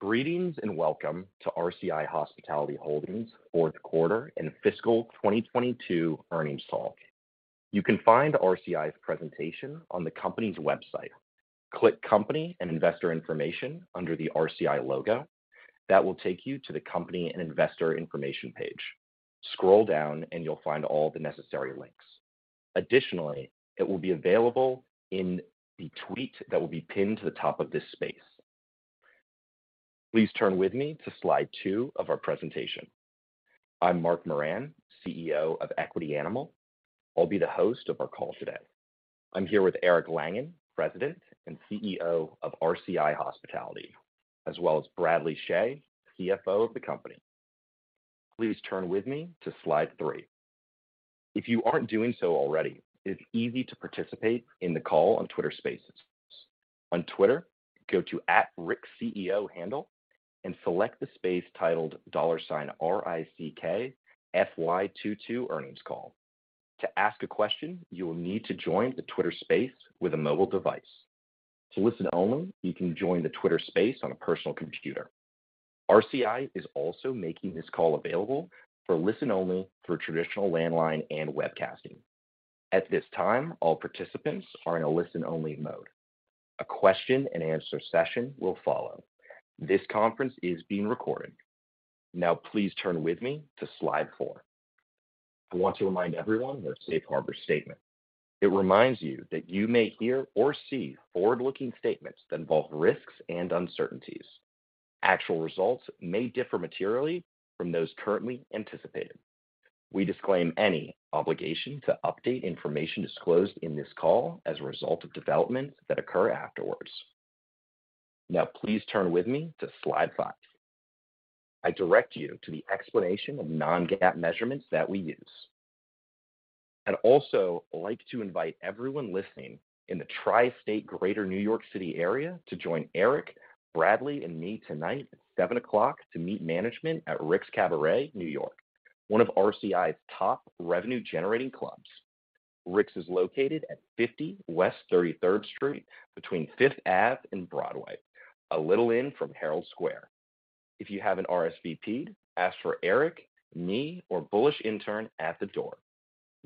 Greetings, welcome to RCI Hospitality Holdings fourth quarter and fiscal 2022 earnings talk. You can find RCI's presentation on the company's website. Click Company and Investor Information under the RCI logo. That will take you to the Company and Investor Information page. Scroll down, you'll find all the necessary links. Additionally, it will be available in the tweet that will be pinned to the top of this space. Please turn with me to slide two of our presentation. I'm Mark Moran, CEO of Equity Animal. I'll be the host of our call today. I'm here with Eric Langan, President and CEO of RCI Hospitality, as well as Bradley Shea, CFO of the company. Please turn with me to slide three. If you aren't doing so already, it is easy to participate in the call on Twitter Spaces. On Twitter, go to @RickCEO handle and select the space titled $RICK FY 2022 earnings call. To ask a question, you will need to join the Twitter Space with a mobile device. To listen only, you can join the Twitter Space on a personal computer. RCI is also making this call available for listen only through traditional landline and webcasting. At this time, all participants are in a listen-only mode. A question and answer session will follow. This conference is being recorded. Now, please turn with me to slide four. I want to remind everyone of our safe harbor statement. It reminds you that you may hear or see forward-looking statements that involve risks and uncertainties. Actual results may differ materially from those currently anticipated. We disclaim any obligation to update information disclosed in this call as a result of developments that occur afterwards. Please turn with me to slide five. I direct you to the explanation of non-GAAP measurements that we use. I'd also like to invite everyone listening in the tri-state Greater New York City area to join Eric, Bradley, and me tonight at 7:00 P.M. to meet management at Rick's Cabaret, New York, one of RCI's top revenue-generating clubs. Rick's is located at 50 West 33rd Street between Fifth Ave and Broadway, a little in from Herald Square. If you have an RSVP, ask for Eric, me, or bullish intern at the door.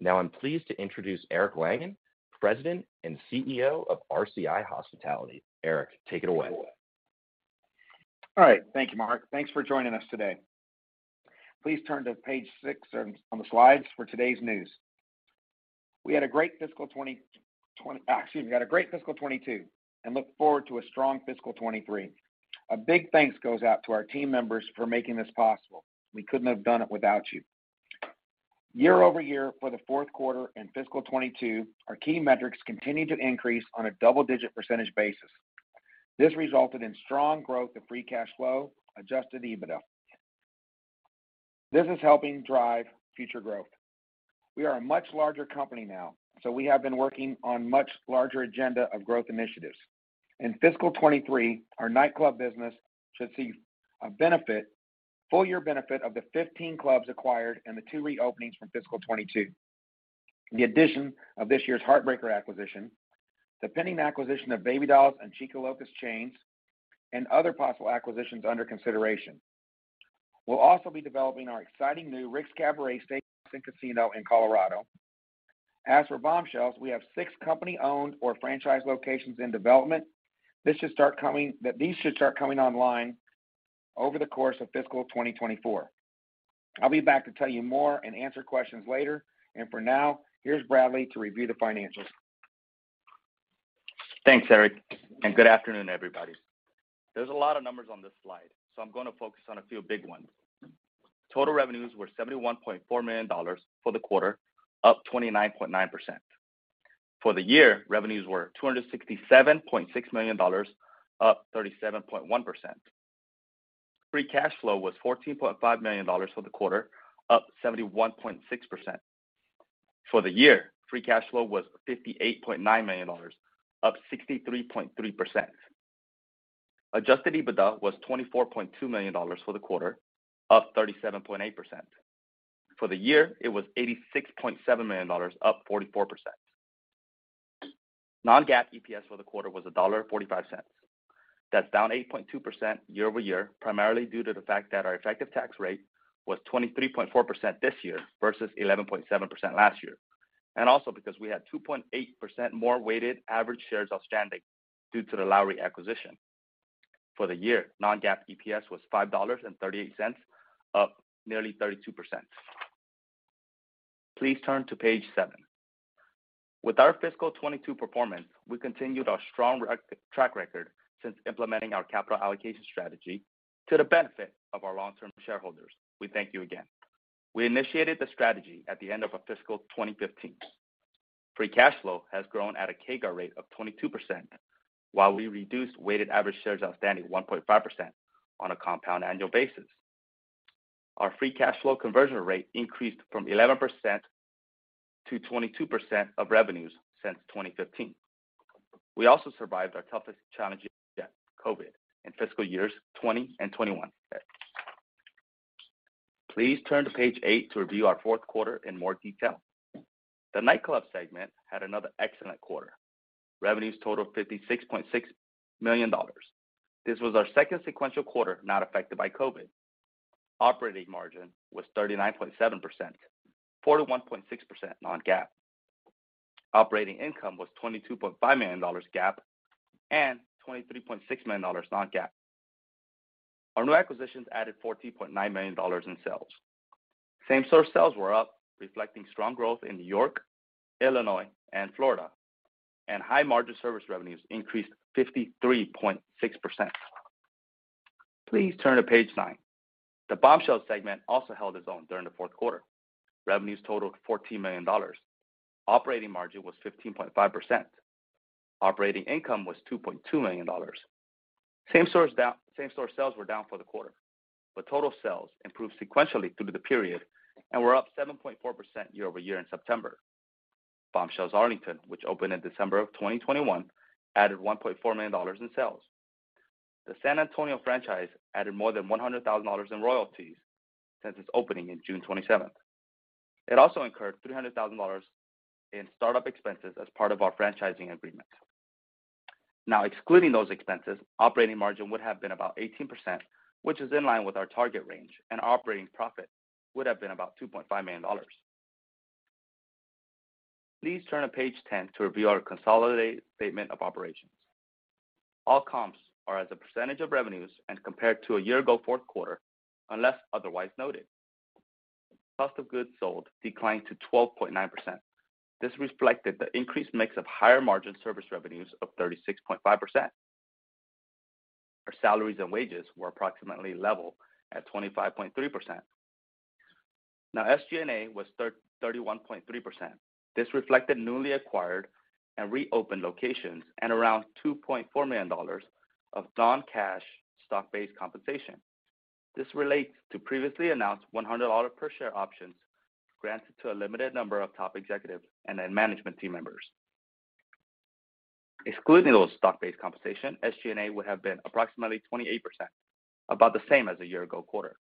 I'm pleased to introduce Eric Langan, President and CEO of RCI Hospitality. Eric, take it away. All right. Thank you, Mark. Thanks for joining us today. Please turn to page six on the slides for today's news. excuse me. We had a great fiscal 2022 and look forward to a strong fiscal 2023. A big thanks goes out to our team members for making this possible. We couldn't have done it without you. Year-over-year for the fourth quarter in fiscal 2022, our key metrics continued to increase on a double-digit % basis. This resulted in strong growth of free cash flow, adjusted EBITDA. This is helping drive future growth. We are a much larger company now. We have been working on much larger agenda of growth initiatives. In fiscal 2023, our nightclub business should see a benefit, full year benefit of the 15 clubs acquired and the two reopenings from fiscal 2022. The addition of this year's Heartbreakers acquisition, the pending acquisition of Baby Dolls and Chicas Locas chains, and other possible acquisitions under consideration. We'll also be developing our exciting new Rick's Cabaret Steakhouse & Casino in Colorado. As for Bombshells, we have six company-owned or franchise locations in development. These should start coming online over the course of fiscal 2024. I'll be back to tell you more and answer questions later. For now, here's Bradley to review the financials. Thanks, Eric. Good afternoon, everybody. There's a lot of numbers on this slide. I'm gonna focus on a few big ones. Total revenues were $71.4 million for the quarter, up 29.9%. For the year, revenues were $267.6 million, up 37.1%. Free cash flow was $14.5 million for the quarter, up 71.6%. For the year, free cash flow was $58.9 million, up 63.3%. Adjusted EBITDA was $24.2 million for the quarter, up 37.8%. For the year, it was $86.7 million, up 44%. Non-GAAP EPS for the quarter was $1.45. That's down 8.2% year-over-year, primarily due to the fact that our effective tax rate was 23.4% this year versus 11.7% last year, and also because we had 2.8% more weighted average shares outstanding due to the Lowry acquisition. For the year, non-GAAP EPS was $5.38, up nearly 32%. Please turn to page seven. With our fiscal 2022 performance, we continued our strong track record since implementing our capital allocation strategy to the benefit of our long-term shareholders. We thank you again. We initiated the strategy at the end of our fiscal 2015. Free cash flow has grown at a CAGR rate of 22% while we reduced weighted average shares outstanding 1.5% on a compound annual basis. Our free cash flow conversion rate increased from 11% to 22% of revenues since 2015. We also survived our toughest challenge yet, COVID, in fiscal years 2020 and 2021. Please turn to page eight to review our fourth quarter in more detail. The Nightclub segment had another excellent quarter. Revenues totaled $56.6 million. This was our second sequential quarter not affected by COVID. Operating margin was 39.7%, 41.6% non-GAAP. Operating income was $22.5 million GAAP, and $23.6 million non-GAAP. Our new acquisitions added $14.9 million in sales. Same-store sales were up, reflecting strong growth in New York, Illinois, and Florida, and high-margin service revenues increased 53.6%. Please turn to page nine. The Bombshells segment also held its own during the fourth quarter. Revenues totaled $14 million. Operating margin was 15.5%. Operating income was $2.2 million. Same-store sales were down for the quarter, total sales improved sequentially through the period and were up 7.4% year-over-year in September. Bombshells Arlington, which opened in December of 2021, added $1.4 million in sales. The San Antonio franchise added more than $100,000 in royalties since its opening in June 27th. It also incurred $300,000 in start-up expenses as part of our franchising agreement. Excluding those expenses, operating margin would have been about 18%, which is in line with our target range, and operating profit would have been about $2.5 million. Please turn to page 10 to review our consolidated statement of operations. All comps are as a percentage of revenues and compared to a year ago fourth quarter, unless otherwise noted. Cost of Goods Sold declined to 12.9%. This reflected the increased mix of higher margin service revenues of 36.5%. Our salaries and wages were approximately level at 25.3%. SG&A was 31.3%. This reflected newly acquired and reopened locations and around $2.4 million of non-cash stock-based compensation. This relates to previously announced $100 per share options granted to a limited number of top executives and management team members. Excluding those stock-based compensation, SG&A would have been approximately 28%, about the same as a year ago quarter.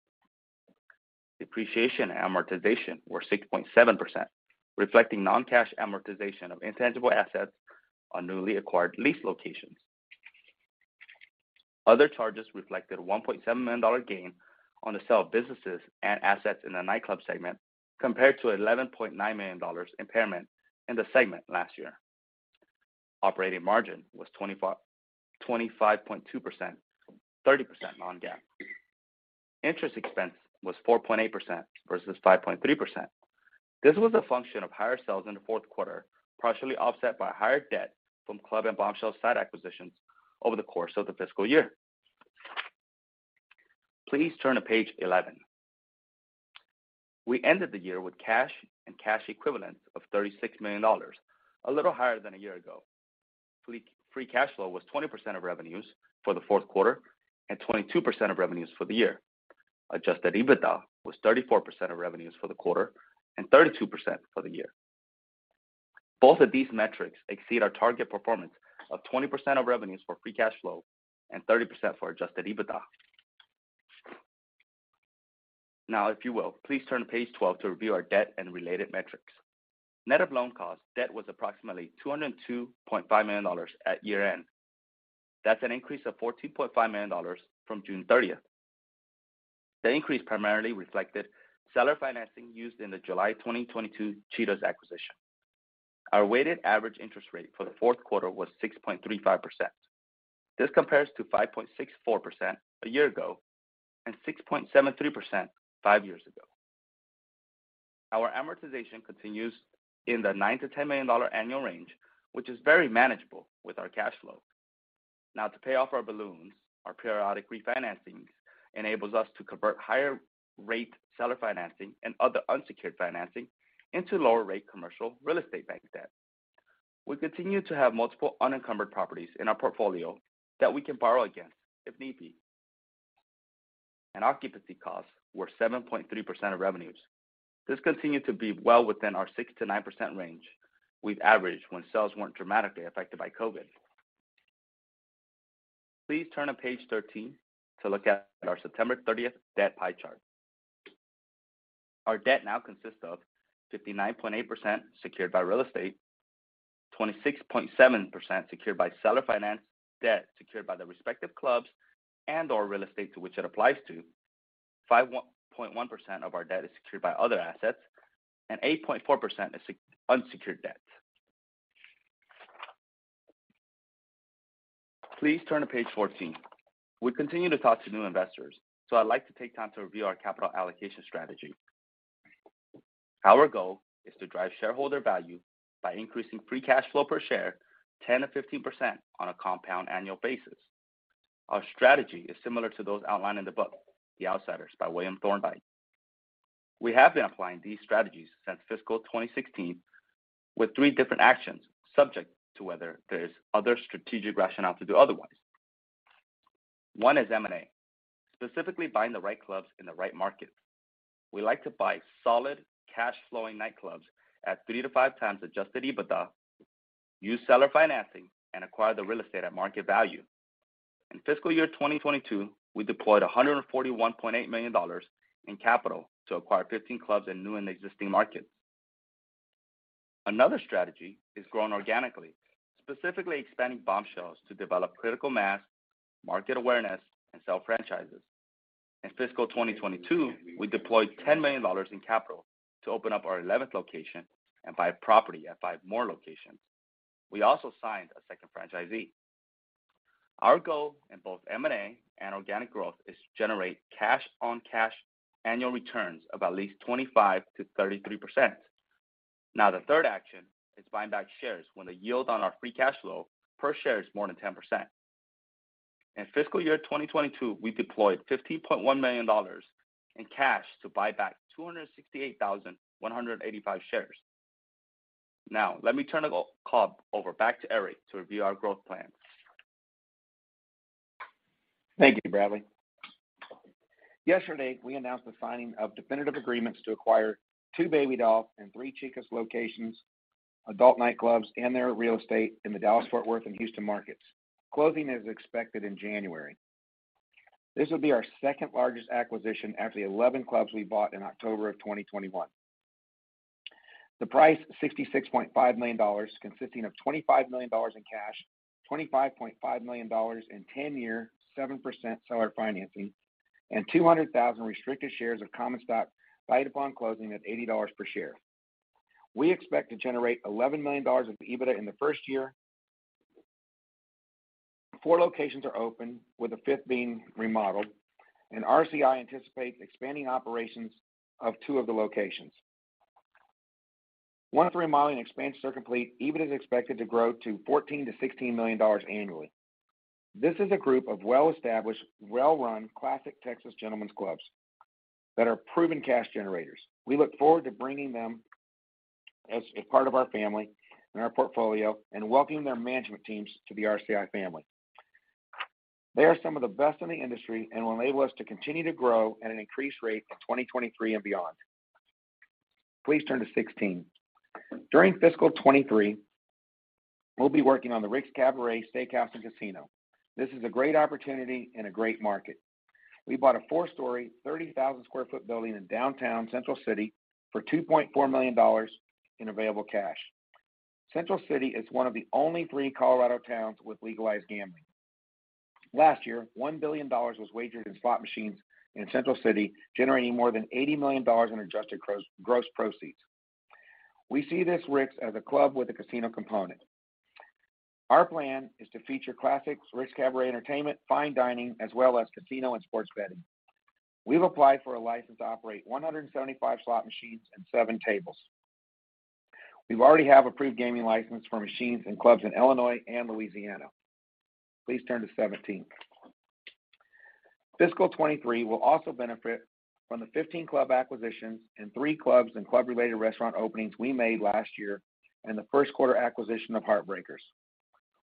Depreciation and amortization were 6.7%, reflecting non-cash amortization of intangible assets on newly acquired lease locations. Other charges reflected $1.7 million gain on the sale of businesses and assets in the Nightclub segment compared to $11.9 million impairment in the segment last year. Operating margin was 25.2%, 30% non-GAAP. Interest expense was 4.8% versus 5.3%. This was a function of higher sales in the fourth quarter, partially offset by higher debt from club and Bombshells site acquisitions over the course of the fiscal year. Please turn to page 11. We ended the year with cash and cash equivalents of $36 million, a little higher than a year ago. Free cash flow was 20% of revenues for the fourth quarter and 22% of revenues for the year. Adjusted EBITDA was 34% of revenues for the quarter and 32% for the year. Both of these metrics exceed our target performance of 20% of revenues for free cash flow and 30% for adjusted EBITDA. If you will, please turn to page 12 to review our debt and related metrics. Net of loan cost, debt was approximately $202.5 million at year-end. That's an increase of $14.5 million from June 30th. The increase primarily reflected seller financing used in the July 2022 Cheetah acquisition. Our weighted average interest rate for the fourth quarter was 6.35%. This compares to 5.64% a year ago and 6.73% five years ago. Our amortization continues in the $9 million-$10 million annual range, which is very manageable with our cash flow. To pay off our balloons, our periodic refinancings enables us to convert higher rate seller financing and other unsecured financing into lower rate commercial real estate bank debt. We continue to have multiple unencumbered properties in our portfolio that we can borrow against if need be. Occupancy costs were 7.3% of revenues. This continued to be well within our 6%-9% range we've averaged when sales weren't dramatically affected by COVID. Please turn to page 13 to look at our September 30th debt pie chart. Our debt now consists of 59.8% secured by real estate, 26.7% secured by seller financed debt secured by the respective clubs and/or real estate to which it applies to, 5.1% of our debt is secured by other assets, and 8.4% is unsecured debt. Please turn to page 14. We continue to talk to new investors. I'd like to take time to review our capital allocation strategy. Our goal is to drive shareholder value by increasing free cash flow per share 10%-15% on a compound annual basis. Our strategy is similar to those outlined in the book, The Outsiders by William Thorndike. We have been applying these strategies since fiscal 2016 with three different actions, subject to whether there is other strategic rationale to do otherwise. One is M&A, specifically buying the right clubs in the right markets. We like to buy solid cash flowing nightclubs at three to five times adjusted EBITDA, use seller financing, and acquire the real estate at market value. In fiscal year 2022, we deployed $141.8 million in capital to acquire 15 clubs in new and existing markets. Another strategy is growing organically, specifically expanding Bombshells to develop critical mass, market awareness, and sell franchises. In fiscal 2022, we deployed $10 million in capital to open up our 11th location and buy property at five more locations. We also signed a second franchisee. Our goal in both M&A and organic growth is to generate cash-on-cash annual returns of at least 25%-33%. The third action is buying back shares when the yield on our free cash flow per share is more than 10%. In fiscal year 2022, we deployed $15.1 million in cash to buy back 268,185 shares. Let me turn the call over back to Eric to review our growth plans. Thank you, Bradley. Yesterday, we announced the signing of definitive agreements to acquire two Baby Dolls and three Chicas locations, adult nightclubs, and their real estate in the Dallas-Fort Worth and Houston markets. Closing is expected in January. This will be our second-largest acquisition after the 11 clubs we bought in October of 2021. The price, $66.5 million, consisting of $25 million in cash, $25.5 million in 10-year 7% seller financing, and 200,000 restricted shares of common stock, buy it upon closing at $80 per share. We expect to generate $11 million of EBITDA in the first year. Four locations are open, with the fifth being remodeled, and RCI anticipates expanding operations of two of the locations. Once remodeling expansions are complete, EBIT is expected to grow to $14 million-$16 million annually. This is a group of well-established, well-run classic Texas gentlemen's clubs that are proven cash generators. We look forward to bringing them as a part of our family and our portfolio and welcoming their management teams to the RCI family. They are some of the best in the industry and will enable us to continue to grow at an increased rate in 2023 and beyond. Please turn to 16. During fiscal 2023, we'll be working on the Rick's Cabaret Steakhouse & Casino. This is a great opportunity in a great market. We bought a four-story, 30,000 sq ft building in downtown Central City for $2.4 million in available cash. Central City is one of the only three Colorado towns with legalized gambling. Last year, $1 billion was wagered in slot machines in Central City, generating more than $80 million in adjusted gross proceeds. We see this Rick's as a club with a casino component. Our plan is to feature classics, Rick's Cabaret entertainment, fine dining, as well as casino and sports betting. We've applied for a license to operate 175 slot machines and seven tables. We already have approved gaming license for machines in clubs in Illinois and Louisiana. Please turn to 17. Fiscal 2023 will also benefit from the 15 club acquisitions and three clubs and club-related restaurant openings we made last year, and the first quarter acquisition of Heartbreakers.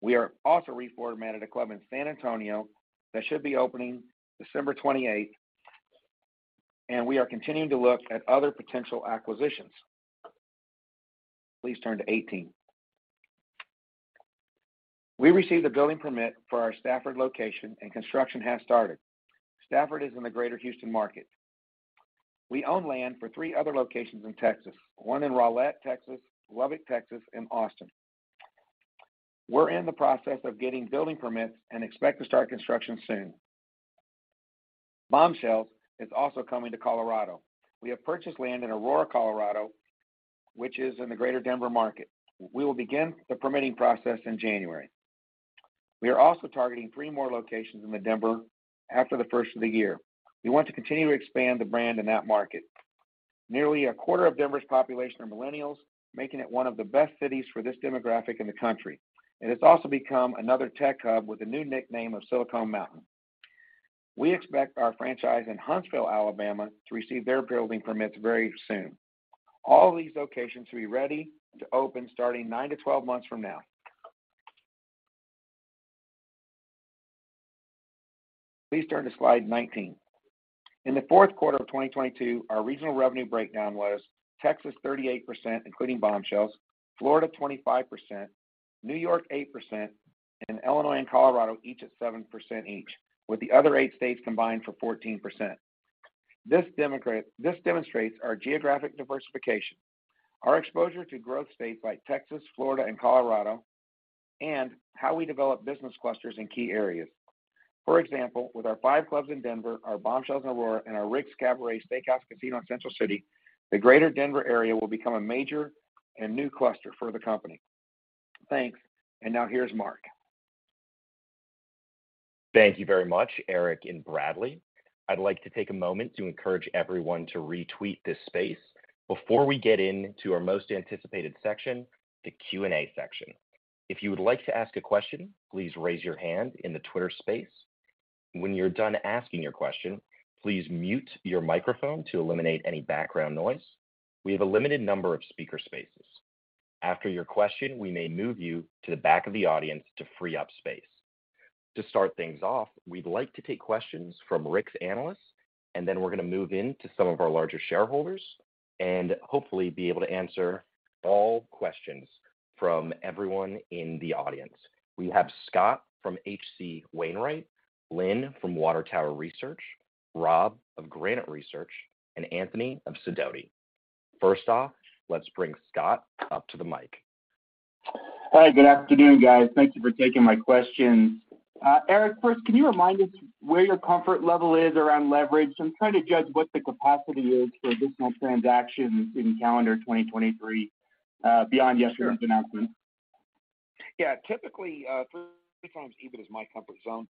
We are also reformatted a club in San Antonio that should be opening December 28th. We are continuing to look at other potential acquisitions. Please turn to 18. We received a building permit for our Stafford location. Construction has started. Stafford is in the Greater Houston market. We own land for three other locations in Texas, one in Rowlett, Texas, Lubbock, Texas, and Austin. We're in the process of getting building permits and expect to start construction soon. Bombshells is also coming to Colorado. We have purchased land in Aurora, Colorado, which is in the greater Denver market. We will begin the permitting process in January. We are also targeting three more locations in the Denver after the first of the year. We want to continue to expand the brand in that market. Nearly a quarter of Denver's population are millennials, making it one of the best cities for this demographic in the country. It has also become another tech hub with a new nickname of Silicon Mountain. We expect our franchise in Huntsville, Alabama, to receive their building permits very soon. All these locations will be ready to open starting nine-12 months from now. Please turn to slide 19. In the fourth quarter of 2022, our regional revenue breakdown was Texas, 38%, including Bombshells, Florida, 25%, New York, 8%, and Illinois and Colorado each at 7% each, with the other eight states combined for 14%. This demonstrates our geographic diversification, our exposure to growth states like Texas, Florida, and Colorado, and how we develop business clusters in key areas. For example, with our five clubs in Denver, our Bombshells in Aurora, and our Rick's Cabaret Steakhouse Casino in Central City, the greater Denver area will become a major and new cluster for the company. Thanks. Now here's Mark. Thank you very much, Eric and Bradley. I'd like to take a moment to encourage everyone to retweet this space before we get into our most anticipated section, the Q&A section. If you would like to ask a question, please raise your hand in the Twitter Space. When you're done asking your question, please mute your microphone to eliminate any background noise. We have a limited number of speaker spaces. After your question, we may move you to the back of the audience to free up space. To start things off, we'd like to take questions from Rick's analysts. Then we're gonna move into some of our larger shareholders. Hopefully be able to answer all questions from everyone in the audience. We have Scott from H.C. Wainwright, Lynne from Water Tower Research, Rob of Granite Research, and Anthony of Sidoti. First off, let's bring Scott up to the mic. Hi, good afternoon, guys. Thank you for taking my questions. Eric, first, can you remind us where your comfort level is around leverage? I'm trying to judge what the capacity is for additional transactions in calendar 2023, beyond yesterday's announcement. Yeah. Typically, three times EBIT is my comfort zone.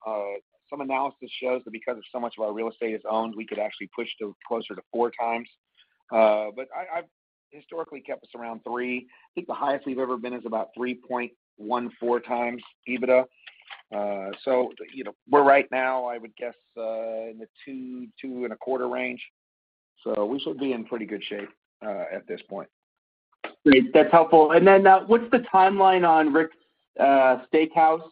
Some analysis shows that because so much of our real estate is owned, we could actually push to closer to four times. I've historically kept us around three. I think the highest we've ever been is about 3.14 times EBITDA. You know, we're right now, I would guess, in the two and a quarter range. We should be in pretty good shape at this point. Great. That's helpful. What's the timeline on Rick's Steakhouse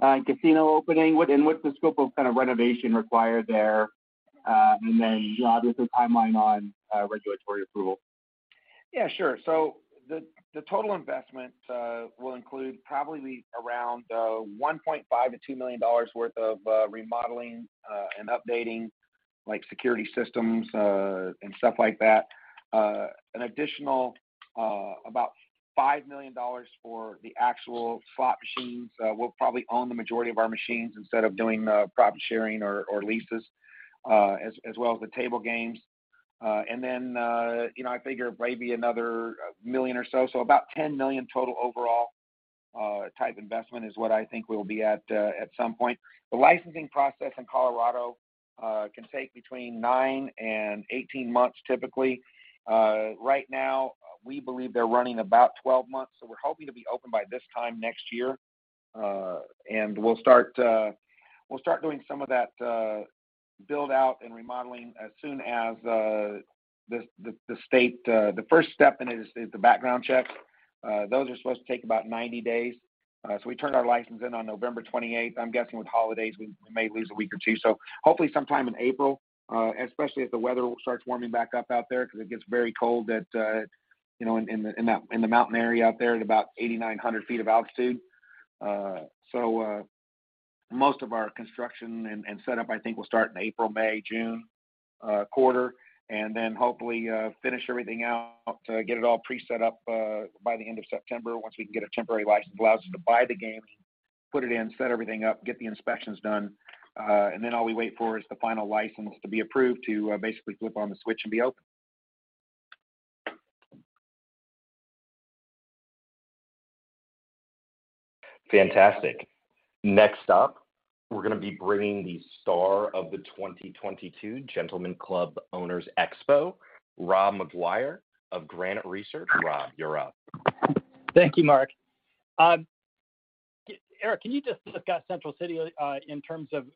and Casino opening? What's the scope of kind of renovation required there, obviously timeline on regulatory approval? Yeah, sure. The total investment will include probably around $1.5 million-$2 million worth of remodeling and updating, like security systems and stuff like that. An additional about $5 million for the actual slot machines. We'll probably own the majority of our machines instead of doing profit sharing or leases, as well as the table games. And then, you know, I figure maybe another million or so about $10 million total overall type investment is what I think we'll be at at some point. The licensing process in Colorado can take between nine and 18 months typically. Right now, we believe they're running about 12 months, so we're hoping to be open by this time next year. We'll start doing some of that build-out and remodeling as soon as the state. The first step in it is the background checks. Those are supposed to take about 90 days. We turned our license in on November 28th. I'm guessing with holidays, we may lose a week or two. Hopefully sometime in April, especially if the weather starts warming back up out there because it gets very cold at, you know, in the mountain area out there at about 8,900 feet of altitude. Most of our construction and setup I think will start in April, May, June quarter. Hopefully, finish everything out, get it all pre-set up by the end of September once we can get a temporary license that allows us to buy the games, put it in, set everything up, get the inspections done. Then all we wait for is the final license to be approved to basically flip on the switch and be open. Fantastic. Next up, we're gonna be bringing the star of the 2022 Gentlemen's Club Owners Expo, Rob McGuire of Granite Research. Rob, you're up. Thank you, Mark. Eric, can you just look at Central City in terms of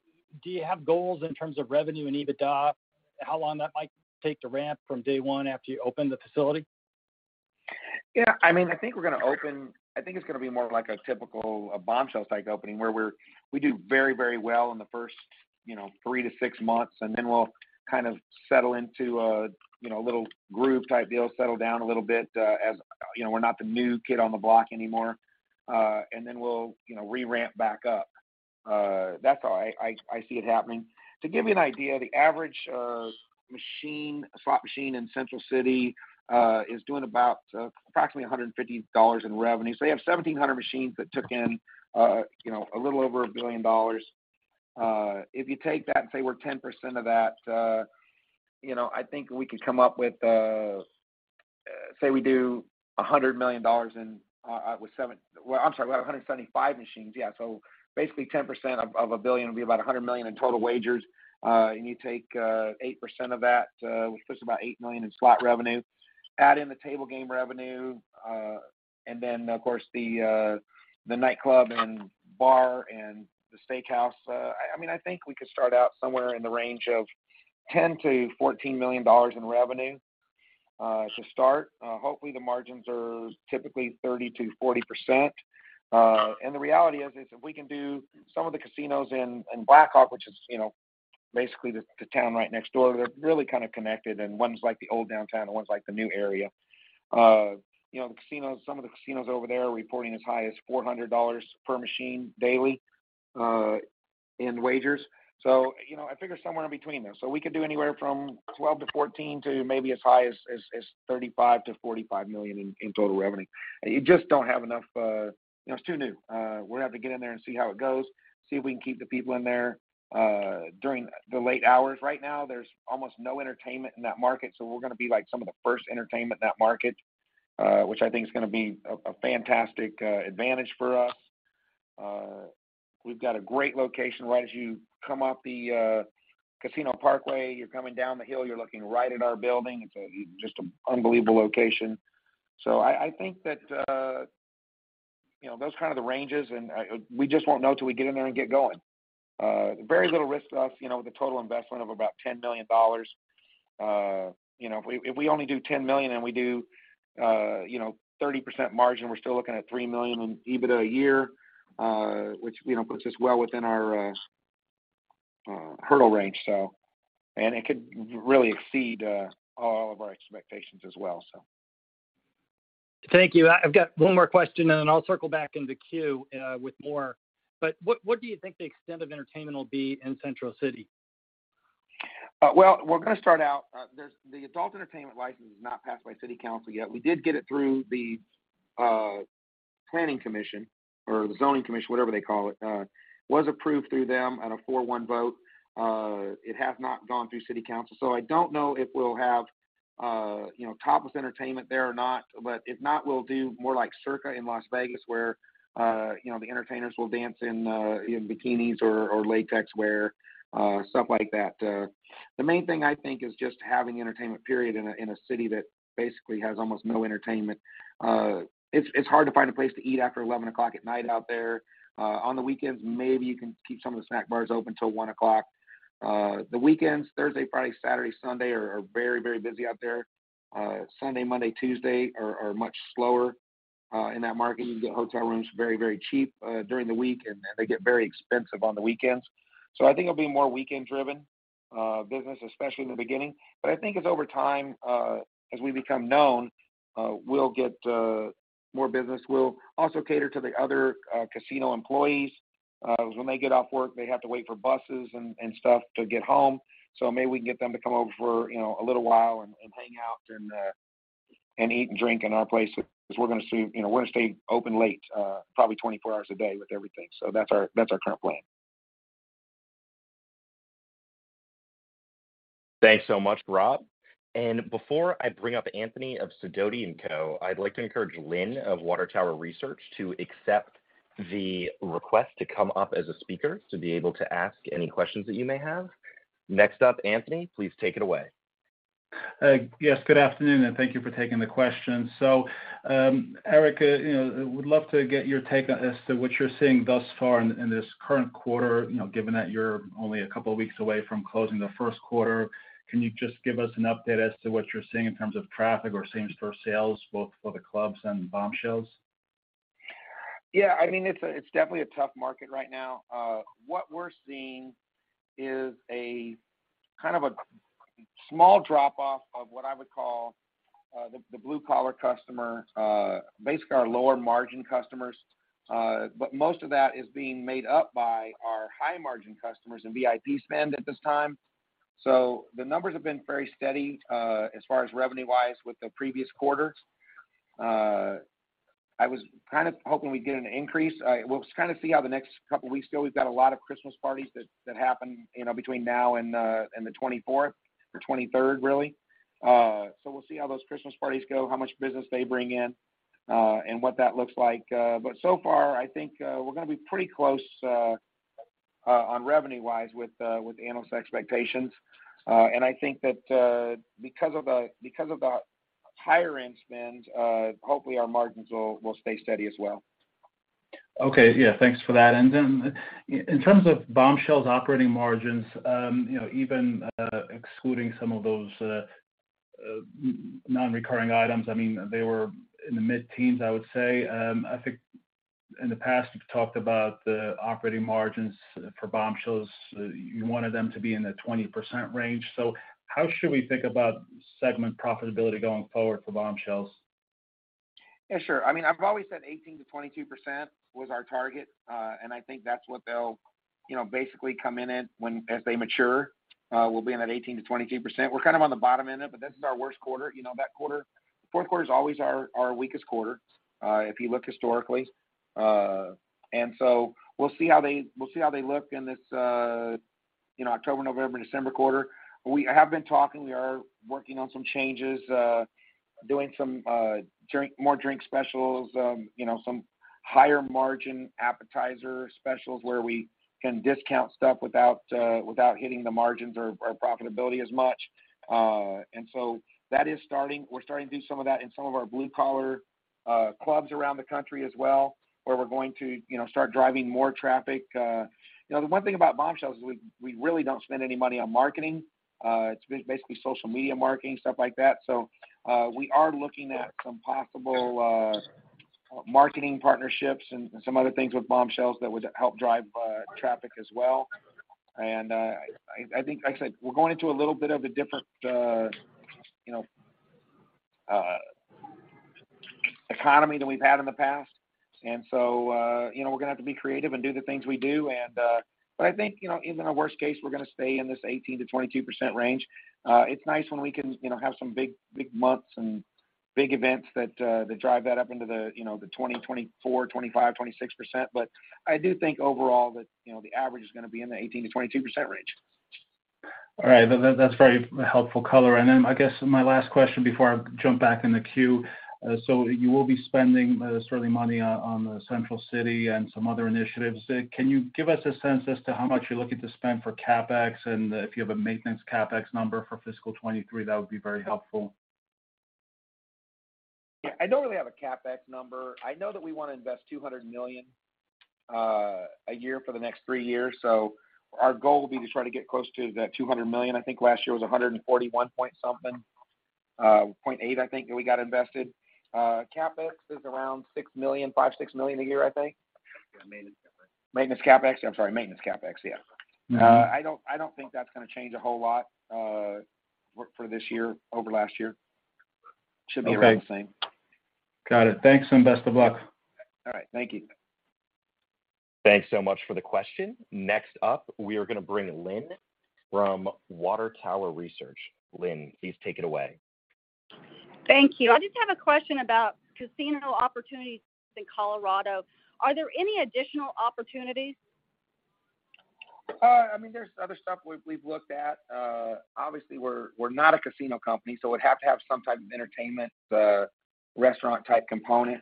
do you have goals in terms of revenue and EBITDA, how long that might take to ramp from day one after you open the facility? Yeah, I mean, I think we're gonna open. I think it's gonna be more of like a typical, a Bombshells-type opening where we do very, very well in the first, you know, three to six months, and then we'll kind of settle into a, you know, little groove type deal, settle down a little bit, as, you know, we're not the new kid on the block anymore, and then we'll, you know, re-ramp back up. That's how I see it happening. To give you an idea, the average machine, slot machine in Central City, is doing about approximately $150 in revenue. You have 1,700 machines that took in, you know, a little over $1 billion. If you take that and say we're 10% of that, you know, I think we could come up with, say we do $100 million in with 175 machines. Basically 10% of $1 billion would be about $100 million in total wagers. You take 8% of that, which puts about $8 million in slot revenue. Add in the table game revenue, of course, the nightclub and bar and the steakhouse, I mean, I think we could start out somewhere in the range of $10 million-$14 million in revenue to start. Hopefully, the margins are typically 30%-40%. The reality is if we can do some of the casinos in Black Hawk, which is, you know, basically the town right next door. They're really kind of connected, and one's like the old downtown, and one's like the new area. You know, the casinos, some of the casinos over there are reporting as high as $400 per machine daily, in wagers. You know, I figure somewhere in between there. We could do anywhere from $12 million-$14 million to maybe as high as $35 million-$45 million in total revenue. You just don't have enough. You know, it's too new. We're gonna have to get in there and see how it goes, see if we can keep the people in there, during the late hours. Right now, there's almost no entertainment in that market, we're gonna be like some of the first entertainment in that market, which I think is gonna be a fantastic advantage for us. We've got a great location right as you come up the Casino Parkway. You're coming down the hill, you're looking right at our building. It's just an unbelievable location. I think that, you know, those are kind of the ranges and we just won't know till we get in there and get going. Very little risk to us, you know, with a total investment of about $10 million. You know, if we only do $10 million and we do, you know, 30% margin, we're still looking at $3 million in EBITDA a year, which, you know, puts us well within our hurdle range. It could really exceed all of our expectations as well, so. Thank you. I've got one more question, and then I'll circle back in the queue with more. What do you think the extent of entertainment will be in Central City? Well, we're going to start out. The adult entertainment license has not passed by City Council yet. We did get it through the Planning Commission or the Zoning Commission, whatever they call it. Was approved through them on a 4/1 vote. It has not gone through City Council. I don't know if we'll have, you know, topless entertainment there or not. If not, we will do more like Circa in Las Vegas, where, you know, the entertainers will dance in bikinis or latex wear, stuff like that. The main thing I think is just having entertainment, period, in a city that basically has almost no entertainment. It's hard to find a place to eat after 11:00 pm at night out there. On the weekends, maybe you can keep some of the snack bars open till 1:00 am. The weekends, Thursday, Friday, Saturday, Sunday are very, very busy out there. Sunday, Monday, Tuesday are much slower in that market. You can get hotel rooms very, very cheap during the week, and they get very expensive on the weekends. I think it'll be more weekend-driven business, especially in the beginning. I think as over time, as we become known, we'll get more business. We'll also cater to the other casino employees. When they get off work, they have to wait for buses and stuff to get home, so maybe we can get them to come over for, you know, a little while and hang out and eat and drink in our place. We're gonna stay, you know, we're gonna stay open late, probably 24 hours a day with everything. That's our, that's our current plan. Thanks so much, Rob McGuire. Before I bring up Anthony of Sidoti & Company, I'd like to encourage Lynne of Water Tower Research to accept the request to come up as a speaker to be able to ask any questions that you may have. Next up, Anthony, please take it away. Yes. Good afternoon, and thank you for taking the questions. Eric, you know, would love to get your take as to what you're seeing thus far in this current quarter, you know, given that you're only a couple of weeks away from closing the first quarter. Can you just give us an update as to what you're seeing in terms of traffic or same-store sales, both for the clubs and Bombshells? I mean, it's definitely a tough market right now. What we're seeing is a kind of a small drop-off of what I would call the blue-collar customer, basically our lower-margin customers. Most of that is being made up by our high-margin customers and VIP spend at this time. The numbers have been very steady as far as revenue-wise with the previous quarters. I was kind of hoping we'd get an increase. We'll kind of see how the next couple weeks go. We've got a lot of Christmas parties that happen, you know, between now and the 24th or 23rd, really. We'll see how those Christmas parties go, how much business they bring in, and what that looks like. So far, I think, we're gonna be pretty close on revenue-wise with analyst expectations. I think that, because of the higher-end spend, hopefully our margins will stay steady as well. Okay. Yeah, thanks for that. In terms of Bombshells' operating margins, you know, even excluding some of those non-recurring items, I mean, they were in the mid-teens, I would say. I think in the past, you've talked about the operating margins for Bombshells. You wanted them to be in the 20% range. How should we think about segment profitability going forward for Bombshells? Yeah, sure. I mean, I've always said 18%-22% was our target. I think that's what they'll, you know, basically come in at as they mature, we'll be in that 18%-22%. We're kind of on the bottom end of it, but this is our worst quarter. You know, that quarter, fourth quarter is always our weakest quarter, if you look historically. We'll see how they look in this, you know, October, November, December quarter. We have been talking. We are working on some changes, doing some more drink specials, you know, some higher-margin appetizer specials where we can discount stuff without hitting the margins or profitability as much. That is starting. We're starting to do some of that in some of our blue-collar clubs around the country as well, where we're going to, you know, start driving more traffic. You know, the one thing about Bombshells is we really don't spend any money on marketing. It's basically social media marketing, stuff like that. We are looking at some possible marketing partnerships and some other things with Bombshells that would help drive traffic as well. I think, like I said, we're going into a little bit of a different, you know, economy than we've had in the past. You know, we're gonna have to be creative and do the things we do. I think, you know, even our worst case, we're gonna stay in this 18%-22% range. It's nice when we can, you know, have some big, big months and big events that drive that up into the, you know, the 20%, 24%, 25%, 26%. I do think overall that, you know, the average is gonna be in the 18%-22% range. All right. That's very helpful color. Then I guess my last question before I jump back in the queue. You will be spending certainly money on the Central City and some other initiatives. Can you give us a sense as to how much you're looking to spend for CapEx? If you have a maintenance CapEx number for fiscal 2023, that would be very helpful. Yeah. I don't really have a CapEx number. I know that we wanna invest $200 million a year for the next three years. Our goal will be to try to get close to that $200 million. I think last year was $141.8 million, I think, that we got invested. CapEx is around $6 million, $5 million, $6 million a year, I think. Yeah, maintenance CapEx. Maintenance CapEx. I'm sorry, maintenance CapEx, yeah. Mm-hmm. I don't think that's gonna change a whole lot for this year, over last year. Should be around the same. Okay. Got it. Thanks, and best of luck. All right. Thank you. Thanks so much for the question. Next up, we are gonna bring Lynne from Water Tower Research. Lynne, please take it away. Thank you. I just have a question about casino opportunities in Colorado. Are there any additional opportunities? I mean, there's other stuff we've looked at. Obviously we're not a casino company, so we'd have to have some type of entertainment, restaurant-type component,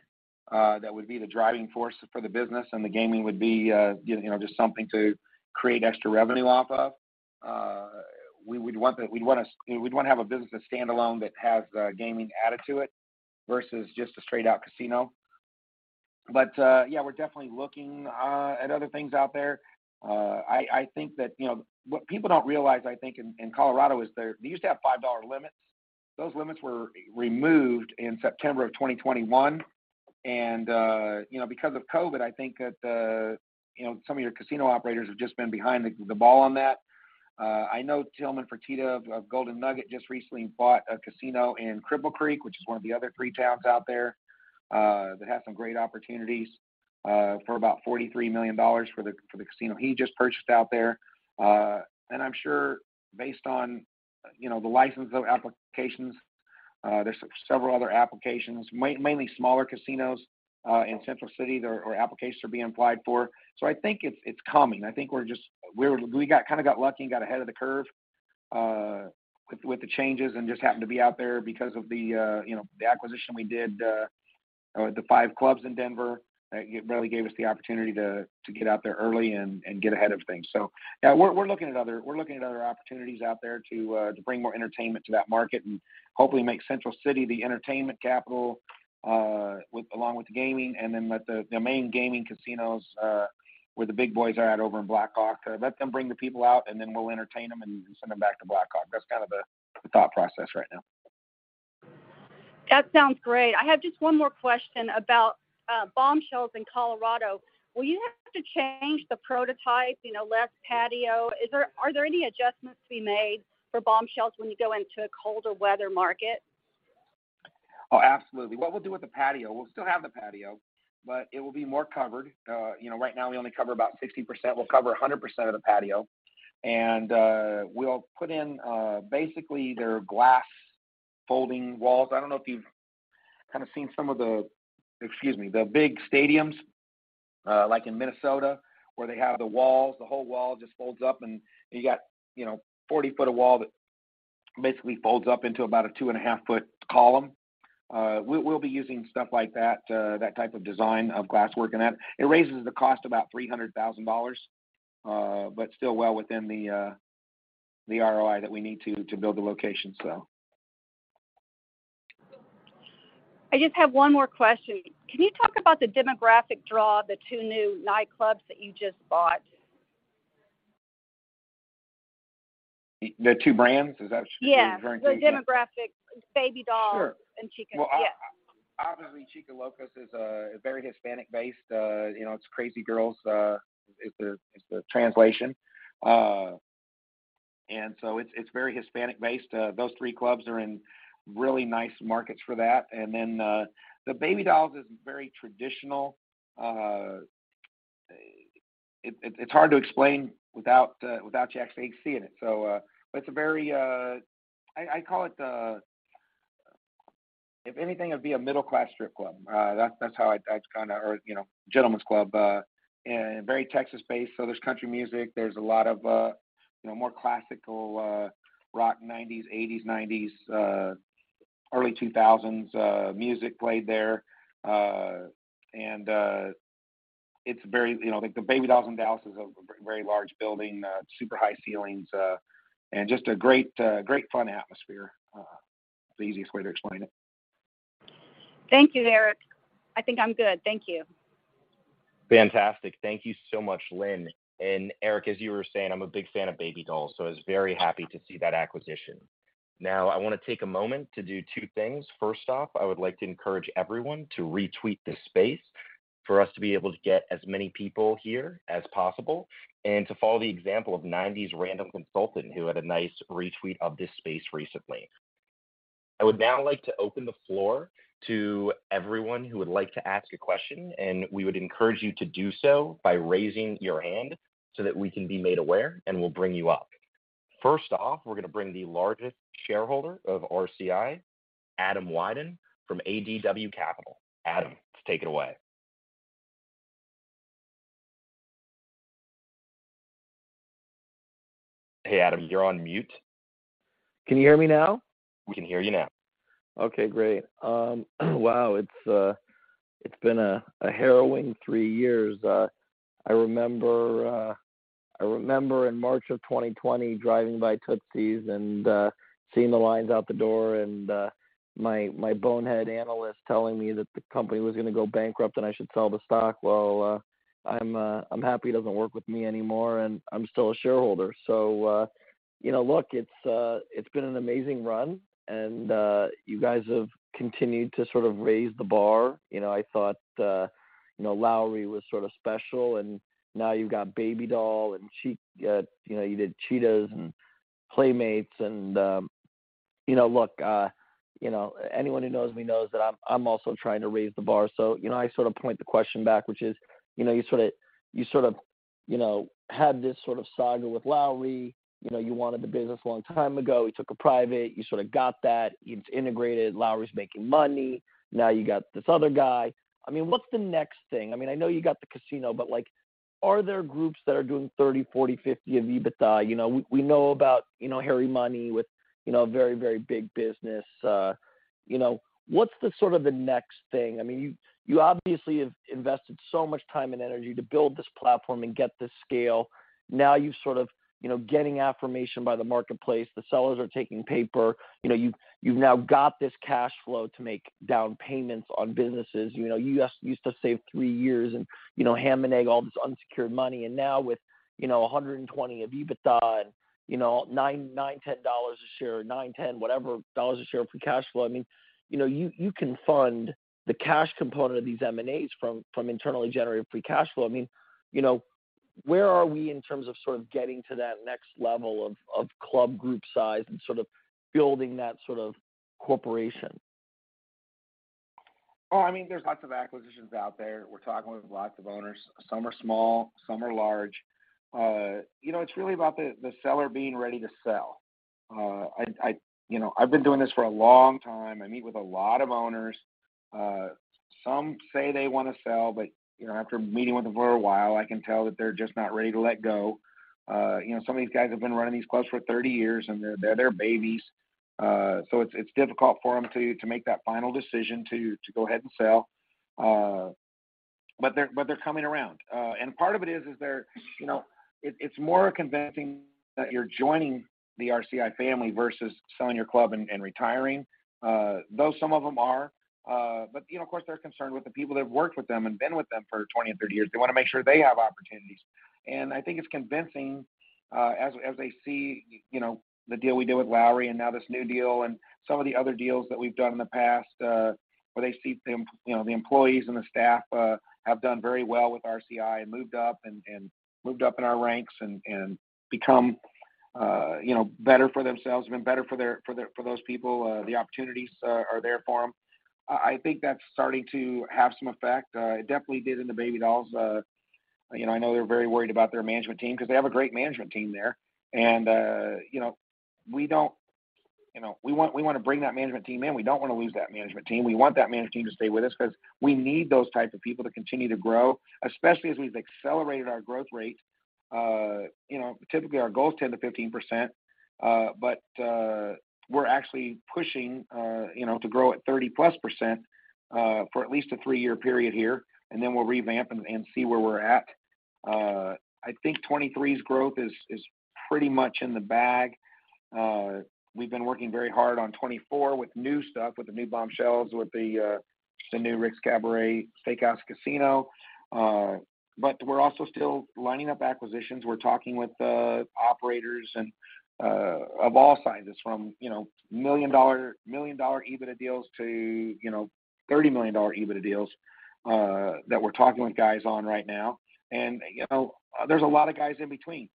that would be the driving force for the business, and the gaming would be, you know, just something to create extra revenue off of. We would want the. We'd wanna you know, we'd wanna have a business, a standalone that has gaming added to it versus just a straight-out casino. Yeah, we're definitely looking at other things out there. I think that, you know. What people don't realize, I think, in Colorado is there. They used to have $5 limits. Those limits were removed in September of 2021, and, you know, because of COVID, I think that, you know, some of your casino operators have just been behind the ball on that. I know Tilman Fertitta of Golden Nugget just recently bought a casino in Cripple Creek, which is one of the other three towns out there, that has some great opportunities, for about $43 million for the casino he just purchased out there. And I'm sure based on, you know, the license applications, there's several other applications, mainly smaller casinos, in Central City there are applications are being applied for. I think it's coming. We kinda got lucky and got ahead of the curve with the changes and just happened to be out there because of the, you know, the acquisition we did, the five clubs in Denver. It really gave us the opportunity to get out there early and get ahead of things. Yeah, we're looking at other opportunities out there to bring more entertainment to that market and hopefully make Central City the entertainment capital, along with the gaming, and then let the main gaming casinos, where the big boys are at over in Black Hawk, let them bring the people out, and then we'll entertain them and send them back to Black Hawk. That's kind of the thought process right now. That sounds great. I have just one more question about Bombshells in Colorado. Will you have to change the prototype, you know, less patio? Are there any adjustments to be made for Bombshells when you go into a colder weather market? Oh, absolutely. What we'll do with the patio, we'll still have the patio, but it will be more covered. You know, right now we only cover about 60%. We'll cover 100% of the patio. We'll put in, basically their glass folding walls. I don't know if you've kind of seen some of the, excuse me, the big stadiums, like in Minnesota, where they have the walls, the whole wall just folds up, and you got, you know, 40 foot of wall that basically folds up into about a two and a half foot column. We'll be using stuff like that type of design of glasswork and that. It raises the cost about $300,000, but still well within the ROI that we need to build the location, so. I just have one more question. Can you talk about the demographic draw of the two new nightclubs that you just bought? The two brands? Is that what you're referring to? Yeah. The demographic. Baby Dolls and Chica. Sure. Well, obviously, Chicas Locas is a very Hispanic-based, you know, it's crazy girls, is the translation. It's very Hispanic-based. Those three clubs are in really nice markets for that. The Baby Dolls is very traditional. It's hard to explain without you actually seeing it. It's a very. I call it the. If anything, it'd be a middle class strip club. That's how I. That's kinda. You know, gentlemen's club. Very Texas-based, there's country music. There's a lot of, you know, more classical rock, nineties, eighties, early 2000s music played there. It's very. You know, like the Baby Dolls in Dallas is a very large building, super high ceilings, just a great fun atmosphere. That's the easiest way to explain it. Thank you, Eric. I think I'm good. Thank you. Fantastic. Thank you so much, Lynne. Eric, as you were saying, I'm a big fan of Baby Dolls, so I was very happy to see that acquisition. Now, I wanna take a moment to do two things. First off, I would like to encourage everyone to retweet this space for us to be able to get as many people here as possible, and to follow the example of 90s Random Consultant, who had a nice retweet of this space recently. I would now like to open the floor to everyone who would like to ask a question, and we would encourage you to do so by raising your hand so that we can be made aware, and we'll bring you up. First off, we're gonna bring the largest shareholder of RCI, Adam Wyden from ADW Capital. Adam, take it away. Hey, Adam, you're on mute. Can you hear me now? We can hear you now. Great. Wow, it's been a harrowing three years. I remember in March of 2020 driving by Tootsie's and seeing the lines out the door and my bonehead analyst telling me that the company was gonna go bankrupt, and I should sell the stock. I'm happy he doesn't work with me anymore, and I'm still a shareholder. You know, look, it's been an amazing run, and you guys have continued to sort of raise the bar. You know, I thought, you know, Lowry was sort of special, and now you've got Baby Dolls and Chicas Locas, you know, you did Cheetah and Playmates Club and. You know, look, you know, anyone who knows me knows that I'm also trying to raise the bar. You know, I sort of point the question back, which is, you know, you sort of, you know, had this sort of saga with Lowry. You wanted the business a long time ago. You took it private. You sort of got that. It's integrated. Lowry's making money. You got this other guy. I mean, what's the next thing? I know you got the casino, but, like, are there groups that are doing 30, 40, 50 of EBITDA? We know about, you know Harry Mohney with, you know, a very, very big business. What's the sort of the next thing? You obviously have invested so much time and energy to build this platform and get this scale. You've sort of, you know, getting affirmation by the marketplace. The sellers are taking paper. You know, you've now got this cash flow to make down payments on businesses. You know, you guys used to save three years and, you know, ham and egg all this unsecured money. Now with, you know, $120 of EBITDA and, you know, $9-$10 a share, $9-$10, whatever dollars a share of free cash flow. I mean, you know, you can fund the cash component of these M&As from internally generated free cash flow. I mean, you know, where are we in terms of sort of getting to that next level of club group size and sort of building that sort of corporation? I mean, there's lots of acquisitions out there. We're talking with lots of owners. Some are small, some are large. You know, it's really about the seller being ready to sell. I, you know, I've been doing this for a long time. I meet with a lot of owners. Some say they wanna sell, but, you know, after meeting with them for a while, I can tell that they're just not ready to let go. You know, some of these guys have been running these clubs for 30 years, and they're their babies. It's difficult for them to make that final decision to go ahead and sell. They're coming around. Part of it is, they're, you know... It's more convincing that you're joining the RCI family versus selling your club and retiring. Though some of them are, but, you know, of course, they're concerned with the people that have worked with them and been with them for 20 and 30 years. They wanna make sure they have opportunities. I think it's convincing, as they see, you know, the deal we did with Lowry and now this new deal and some of the other deals that we've done in the past, where they see them, you know, the employees and the staff, have done very well with RCI and moved up, and moved up in our ranks and become, you know, better for themselves, been better for their for those people. The opportunities are there for them. I think that's starting to have some effect. It definitely did in the Baby Dolls. You know, I know they're very worried about their management team because they have a great management team there. You know, we don't. You know, we wanna bring that management team in. We don't wanna lose that management team. We want that management team to stay with us because we need those type of people to continue to grow, especially as we've accelerated our growth rate. You know, typically our goal is 10%-15%, but, we're actually pushing, you know, to grow at 30%+, for at least a three-year period here, and then we'll revamp and see where we're at. I think 2023's growth is pretty much in the bag. We've been working very hard on 2024 with new stuff, with the new Bombshells, with the new Rick's Cabaret Steakhouse Casino. We're also still lining up acquisitions. We're talking with operators of all sizes from, you know, million-dollar EBITDA deals to, you know, $30 million EBITDA deals that we're talking with guys on right now. You know, there's a lot of guys in between.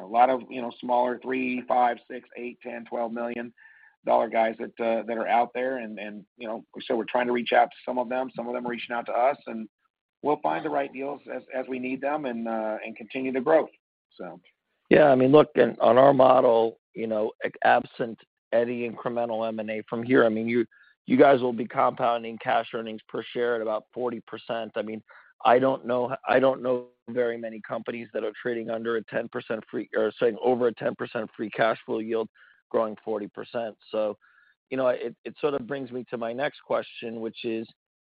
A lot of, you know, smaller $3 million, $5 million, $6 million, $8 million, $10 million, $12 million guys that are out there. You know, we're trying to reach out to some of them. Some of them are reaching out to us, and we'll find the right deals as we need them and continue to grow. Look, and on our model, you know, absent any incremental M&A from here, I mean, you guys will be compounding cash EPS at about 40%. I don't know very many companies that are trading under a 10% free... or, sorry, over a 10% free cash flow yield growing 40%. You know, it sort of brings me to my next question, which is,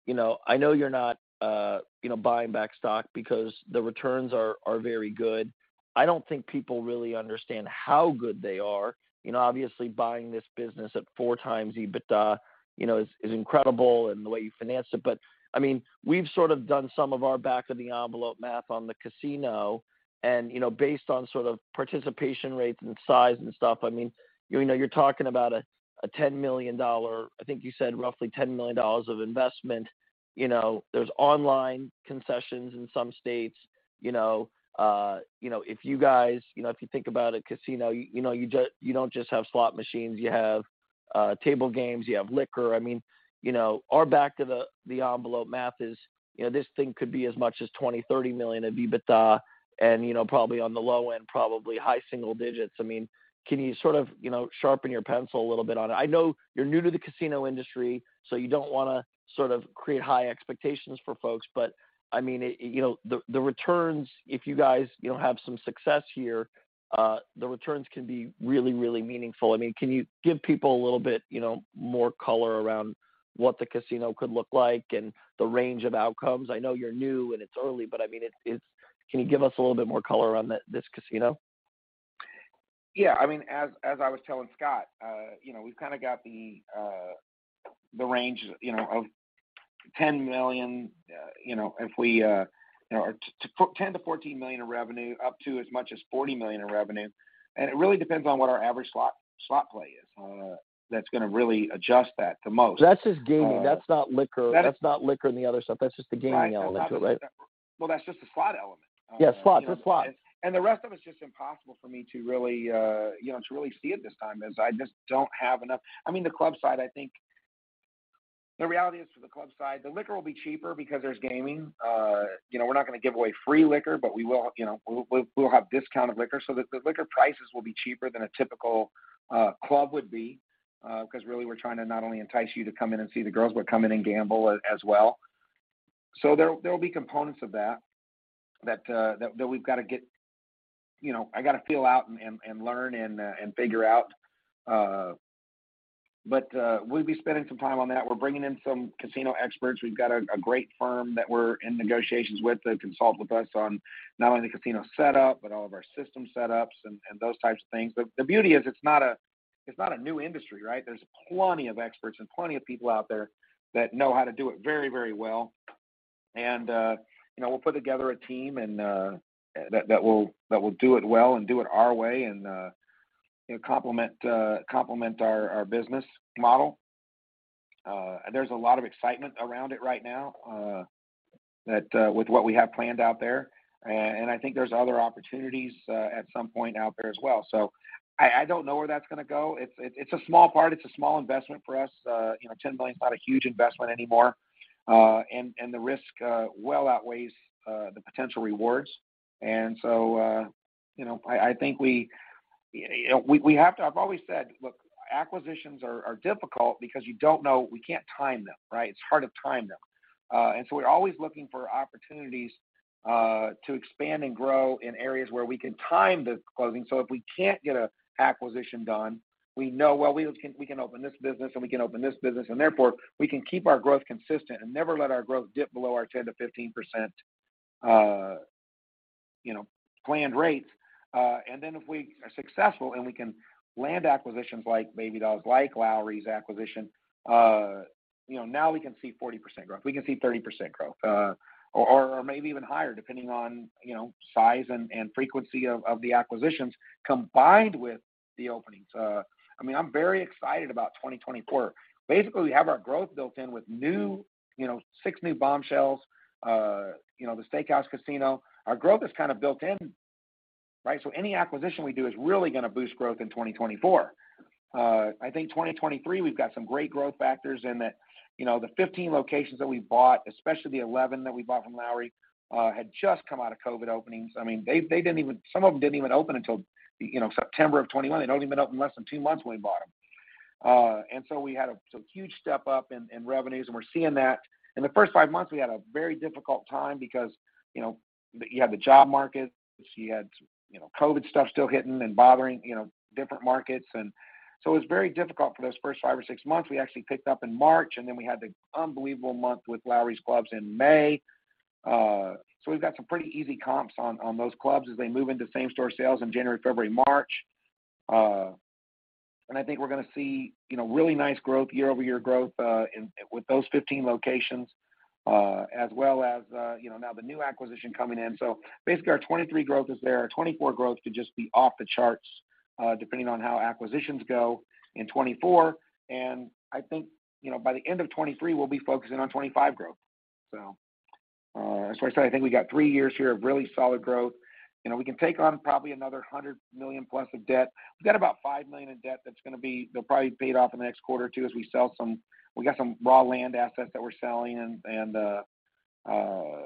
you know, I know you're not, you know, buying back stock because the returns are very good. I don't think people really understand how good they are. You know, obviously buying this business at 4x EBITDA, you know, is incredible and the way you financed it. I mean, we've sort of done some of our back-of-the-envelope math on the casino and, you know, based on sort of participation rates and size and stuff, I mean, you know, you're talking about a $10 million, I think you said roughly $10 million of investment. You know, there's online concessions in some states, you know. You know, if you think about a casino, you know, you don't just have slot machines. You have table games. You have liquor. I mean, you know, our back-of-the-envelope math is, you know, this thing could be as much as $20 million-$30 million of EBITDA and, you know, probably on the low end, probably high single digits. I mean, can you sort of, you know, sharpen your pencil a little bit on it? I know you're new to the casino industry, you don't wanna sort of create high expectations for folks. I mean, it, you know, the returns, if you guys, you know, have some success here, the returns can be really, really meaningful. I mean, can you give people a little bit, you know, more color around what the casino could look like and the range of outcomes? I know you're new and it's early, I mean, it's. Can you give us a little bit more color on this casino? Yeah. I mean, as I was telling Scott, you know, we've kind of got the range, you know, of $10 million-$14 million in revenue, up to as much as $40 million in revenue. It really depends on what our average slot play is. That's gonna really adjust that the most. That's just gaming. That's not liquor. That is. That's not liquor and the other stuff. That's just the gaming element of it, right? Well, that's just the slot element. Yeah, slots. Just slots. The rest of it's just impossible for me to really, you know, to really see at this time, as I just don't have enough. I mean, the club side, I think. The reality is, for the club side, the liquor will be cheaper because there's gaming. You know, we're not gonna give away free liquor, but we will, you know, we'll have discounted liquor, so the liquor prices will be cheaper than a typical club would be because really we're trying to not only entice you to come in and see the girls, but come in and gamble as well. There will be components of that we've gotta get. You know, I gotta feel out and learn and figure out. But we'll be spending some time on that. We're bringing in some casino experts. We've got a great firm that we're in negotiations with to consult with us on not only the casino setup, but all of our system setups and those types of things. The beauty is it's not a new industry, right? There's plenty of experts and plenty of people out there that know how to do it very, very well. You know, we'll put together a team that will do it well and do it our way and, you know, complement our business model. There's a lot of excitement around it right now that with what we have planned out there. I think there's other opportunities at some point out there as well. I don't know where that's gonna go. It's a small part. It's a small investment for us. you know, $10 million is not a huge investment anymore, and the risk well outweighs the potential rewards. I've always said, "Look, acquisitions are difficult because you don't know. We can't time them, right?" It's hard to time them. We're always looking for opportunities to expand and grow in areas where we can time the closing, so if we can't get a acquisition done, we know, we can open this business and we can open this business, and therefore we can keep our growth consistent and never let our growth dip below our 10%-15%, you know, planned rates. If we are successful and we can land acquisitions like Baby Dolls, like Lowry's acquisition, you know, now we can see 40% growth. We can see 30% growth, or maybe even higher, depending on, you know, size and frequency of the acquisitions combined with the openings. I mean, I'm very excited about 2024. Basically, we have our growth built in with new, you know, six new Bombshells, you know, the Steakhouse Casino. Our growth is kind of built in, right? Any acquisition we do is really gonna boost growth in 2024. I think 2023, we've got some great growth factors in that. You know, the 15 locations that we bought, especially the 11 that we bought from Lowry, had just come out of COVID openings. I mean, they didn't even... Some of them didn't even open until, you know, September of 2021. They'd only been open less than two months when we bought them. We had a huge step up in revenues, and we're seeing that. In the first five months, we had a very difficult time because, you know, you had the job market, you had, you know, COVID stuff still hitting and bothering, you know, different markets. It was very difficult for those first five or six months. We actually picked up in March, and then we had the unbelievable month with Lowry's clubs in May. We've got some pretty easy comps on those clubs as they move into same-store sales in January, February, March. I think we're gonna see, you know, really nice growth, year-over-year growth, in... With those 15 locations, as well as, you know, now the new acquisition coming in. Basically, our 2023 growth is there. Our 2024 growth could just be off the charts, depending on how acquisitions go in 2024. I think, you know, by the end of 2023, we'll be focusing on 2025 growth. As far as that, I think we got three years here of really solid growth. You know, we can take on probably another $100 million+ of debt. We've got about $5 million in debt that's gonna be paid off in the next quarter or two as we sell some raw land assets that we're selling and an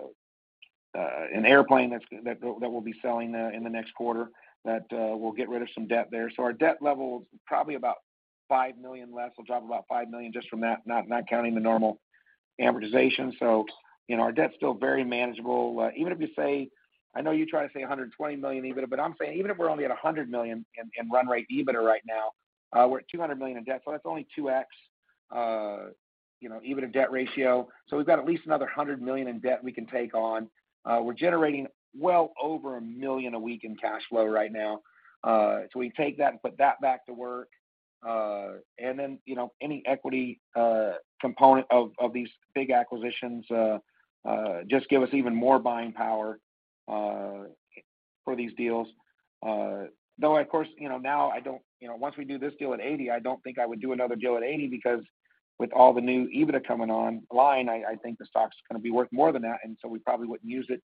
airplane that we'll be selling in the next quarter that we'll get rid of some debt there. Our debt level is probably about $5 million less. We'll drop about $5 million just from that, not counting the normal amortization. You know, our debt's still very manageable. I know you try to say $120 million EBITDA, but I'm saying even if we're only at $100 million in run rate EBITDA right now, we're at $200 million in debt, so that's only 2x, you know, EBITDA debt ratio. We've got at least another $100 million in debt we can take on. We're generating well over $1 million a week in cash flow right now. We take that and put that back to work. Then, you know, any equity component of these big acquisitions just give us even more buying power for these deals. Of course, you know, now I don't... You know, once we do this deal at $80 million, I don't think I would do another deal at $80 million because with all the new EBITDA coming online, I think the stock's gonna be worth more than that, so we probably wouldn't use it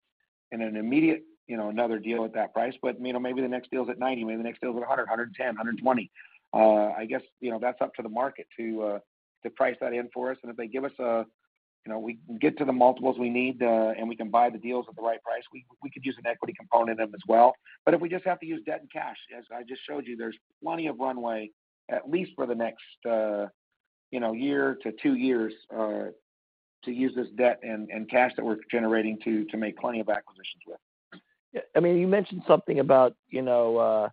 in an immediate, you know, another deal at that price. You know, maybe the next deal's at $90 million, maybe the next deal's at $100 million, $110 million, $120 million. I guess, you know, that's up to the market to price that in for us, if they give us a... You know, we can get to the multiples we need. We can buy the deals at the right price. We could use an equity component of them as well. If we just have to use debt and cash, as I just showed you, there's plenty of runway, at least for the next, you know, one to two years, to use this debt and cash that we're generating to make plenty of acquisitions with. Yeah. I mean, you mentioned something about, you know,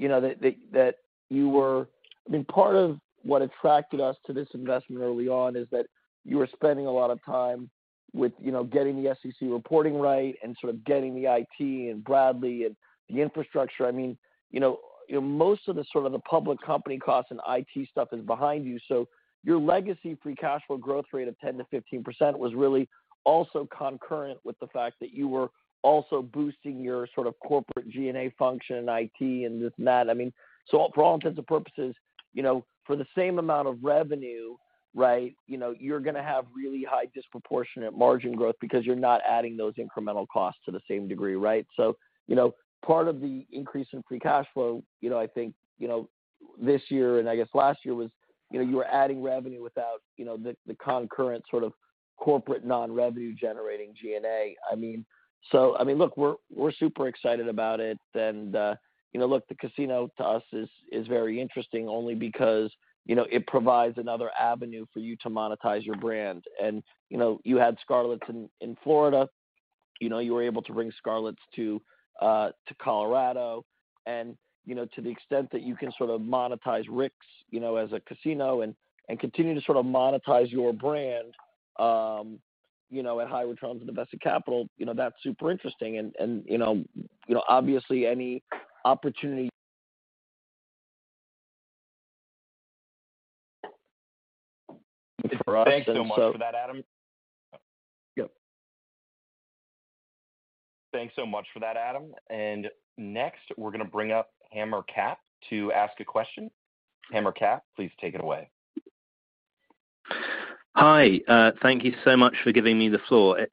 that you were. I mean, part of what attracted us to this investment early on is that you were spending a lot of time with, you know, getting the SEC reporting right and sort of getting the IT and Bradley and the infrastructure. I mean, you know, most of the sort of the public company costs and IT stuff is behind you. Your legacy free cash flow growth rate of 10%-15% was really also concurrent with the fact that you were also boosting your sort of corporate G&A function, IT, and this and that. For all intents and purposes, you know, for the same amount of revenue, right, you know, you're gonna have really high disproportionate margin growth because you're not adding those incremental costs to the same degree, right? You know, part of the increase in free cash flow, you know, I think, you know, this year and I guess last year was, you know, you were adding revenue without, you know, the concurrent sort of corporate non-revenue generating G&A. Look, we're super excited about it. You know, look, the casino to us is very interesting only because, you know, it provides another avenue for you to monetize your brand. You know, you had Scarlett's in Florida. You know, you were able to bring Scarlett's to Colorado. You know, to the extent that you can sort of monetize Rick's, you know, as a casino and continue to sort of monetize your brand, you know, at high returns on invested capital, you know, that's super interesting. You know, obviously any opportunity for us. Thanks so much for that, Adam. Yep. Thanks so much for that, Adam Wyden. Next, we're gonna bring up Hammer Capp to ask a question. Hammer Capp, please take it away. Hi. Thank you so much for giving me the floor.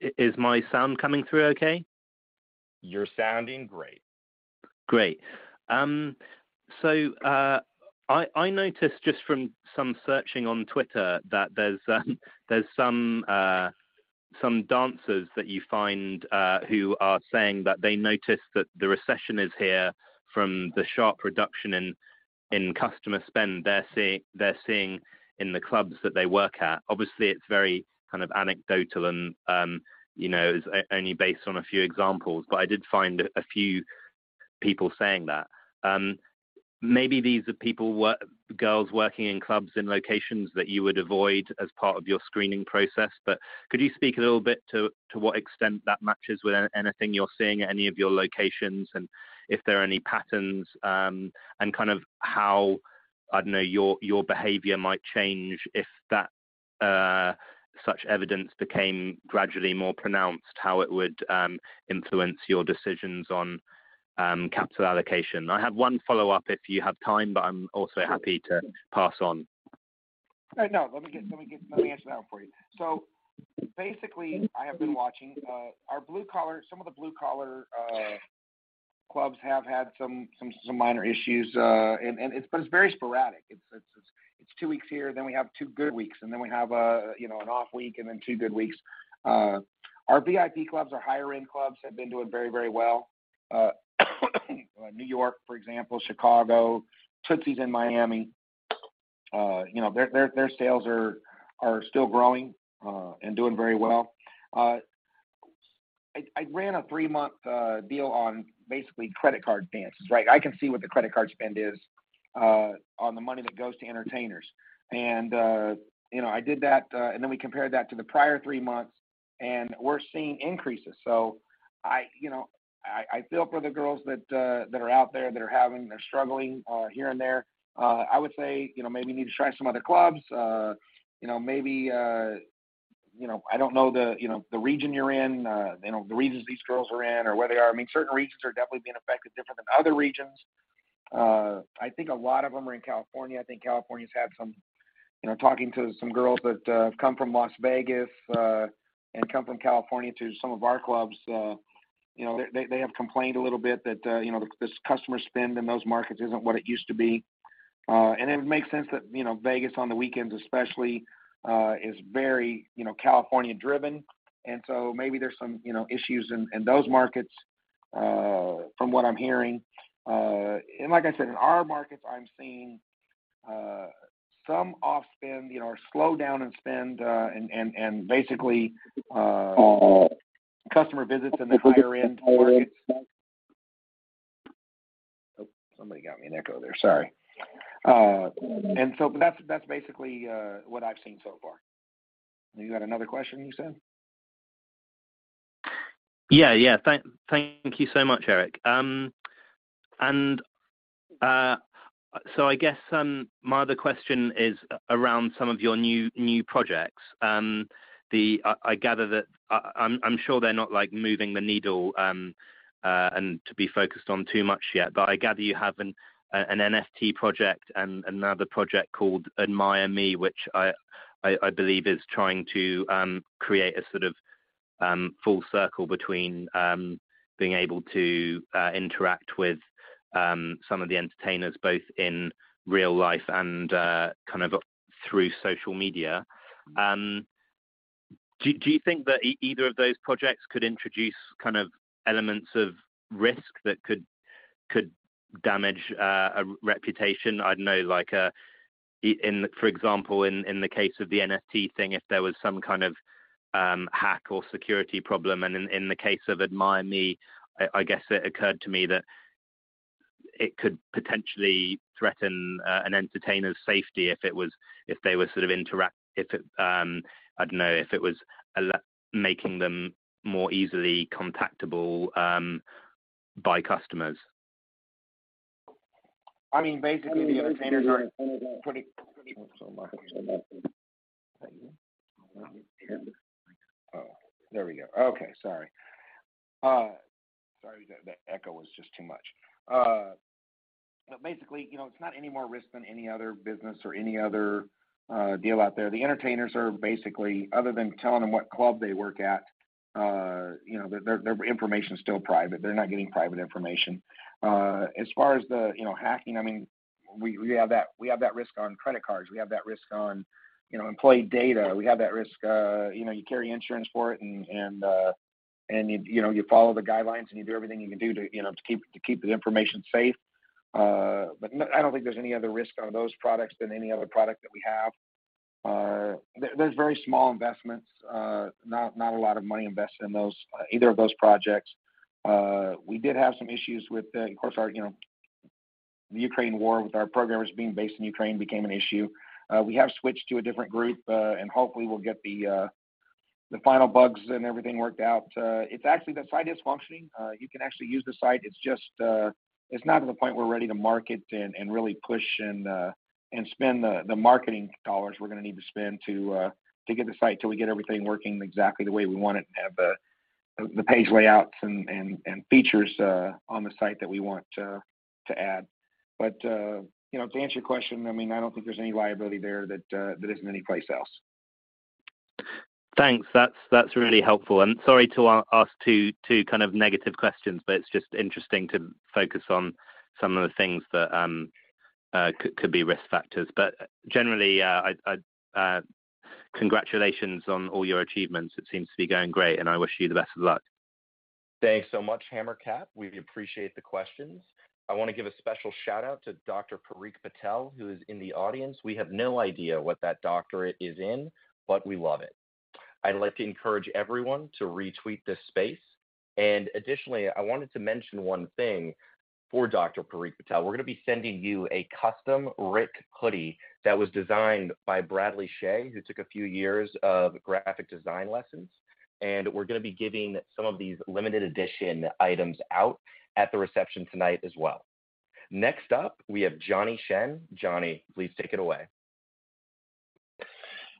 Is my sound coming through okay? You're sounding great. Great. I noticed just from some searching on Twitter that there's some dancers that you find who are saying that they noticed that the recession is here from the sharp reduction in customer spend they're seeing in the clubs that they work at. Obviously, it's very kind of anecdotal and, you know, is only based on a few examples, but I did find a few people saying that. Maybe these are girls working in clubs in locations that you would avoid as part of your screening process. Could you speak a little bit to what extent that matches with anything you're seeing at any of your locations, and if there are any patterns, and kind of how, I don't know, your behavior might change if that such evidence became gradually more pronounced, how it would influence your decisions on capital allocation? I have one follow-up if you have time, but I'm also happy to pass on. No. Let me answer that one for you. Basically I have been watching some of the blue collar clubs have had some minor issues. It's very sporadic. It's two weeks here, then we have two good weeks, and then we have an off week and then two good weeks. Our VIP clubs, our higher end clubs have been doing very, very well. New York, for example, Chicago, Tootsies in Miami, their sales are still growing and doing very well. I ran a three-month deal on basically credit card dances, right? I can see what the credit card spend is on the money that goes to entertainers. You know, I did that, and then we compared that to the prior three months, and we're seeing increases. I, you know, I feel for the girls that are out there that are having... they're struggling here and there. I would say, you know, maybe you need to try some other clubs. You know, maybe, you know, I don't know the, you know, the region you're in, you know, the regions these girls are in or where they are. I mean, certain regions are definitely being affected different than other regions. I think a lot of them are in California. I think California's had some, you know, talking to some girls that come from Las Vegas and come from California to some of our clubs. You know, they have complained a little bit that, you know, the, this customer spend in those markets isn't what it used to be. It makes sense that, you know, Vegas on the weekends especially, is very, you know, California-driven. Maybe there's some, you know, issues in those markets, from what I'm hearing. Like I said, in our markets I'm seeing, some off spend, you know, or slow down in spend, and basically, customer visits in the higher end markets. Oh, somebody got me an echo there. Sorry. But that's basically, what I've seen so far. You had another question, you said? Yeah. Yeah. Thank you so much, Eric. I guess my other question is around some of your new projects. I gather that I'm sure they're not like moving the needle and to be focused on too much yet, I gather you have an NFT project and another project called AdmireMe, which I believe is trying to create a sort of full circle between being able to interact with some of the entertainers both in real life and kind of through social media. Do you think that either of those projects could introduce kind of elements of risk that could damage a reputation? I'd know like in the. for example, in the case of the NFT thing, if there was some kind of hack or security problem. In the case of AdmireMe, I guess it occurred to me that it could potentially threaten an entertainer's safety if it was. If they were sort of if it, I don't know, if it was making them more easily contactable by customers. I mean, basically, the entertainers are pretty... Oh, there we go. Okay. Sorry. Sorry, the echo was just too much. Basically, you know, it's not any more risk than any other business or any other deal out there. The entertainers are basically, other than telling them what club they work at, you know, their information is still private. They're not getting private information. As far as the, you know, hacking, I mean, we have that, we have that risk on credit cards. We have that risk on, you know, employee data. We have that risk, you know, you carry insurance for it and you know, you follow the guidelines, and you do everything you can do to, you know, to keep the information safe. I don't think there's any other risk on those products than any other product that we have. There, there's very small investments, not a lot of money invested in those, either of those projects. We did have some issues with, of course our, you know, the Ukraine war with our programmers being based in Ukraine became an issue. We have switched to a different group, and hopefully we'll get the final bugs and everything worked out. It's actually. The site is functioning. You can actually use the site. It's just, it's not to the point we're ready to market and really push and spend the marketing dollars we're gonna need to spend to get the site till we get everything working exactly the way we want it and have the page layouts and features on the site that we want to add. You know, to answer your question, I mean, I don't think there's any liability there that isn't anyplace else. Thanks. That's really helpful. Sorry to ask two kind of negative questions, but it's just interesting to focus on some of the things that could be risk factors. Generally, I congratulations on all your achievements. It seems to be going great, and I wish you the best of luck. Thanks so much, Hammer Capp. We appreciate the questions. I wanna give a special shout-out to Dr. Parik Patel, who is in the audience. We have no idea what that doctorate is in, but we love it. I'd like to encourage everyone to retweet this space. Additionally, I wanted to mention one thing for Dr. Parik Patel. We're gonna be sending you a custom Rick hoodie that was designed by Bradley Shea, who took a few years of graphic design lessons, and we're gonna be giving some of these limited edition items out at the reception tonight as well. Next up, we have Johnny Shen. Johnny, please take it away.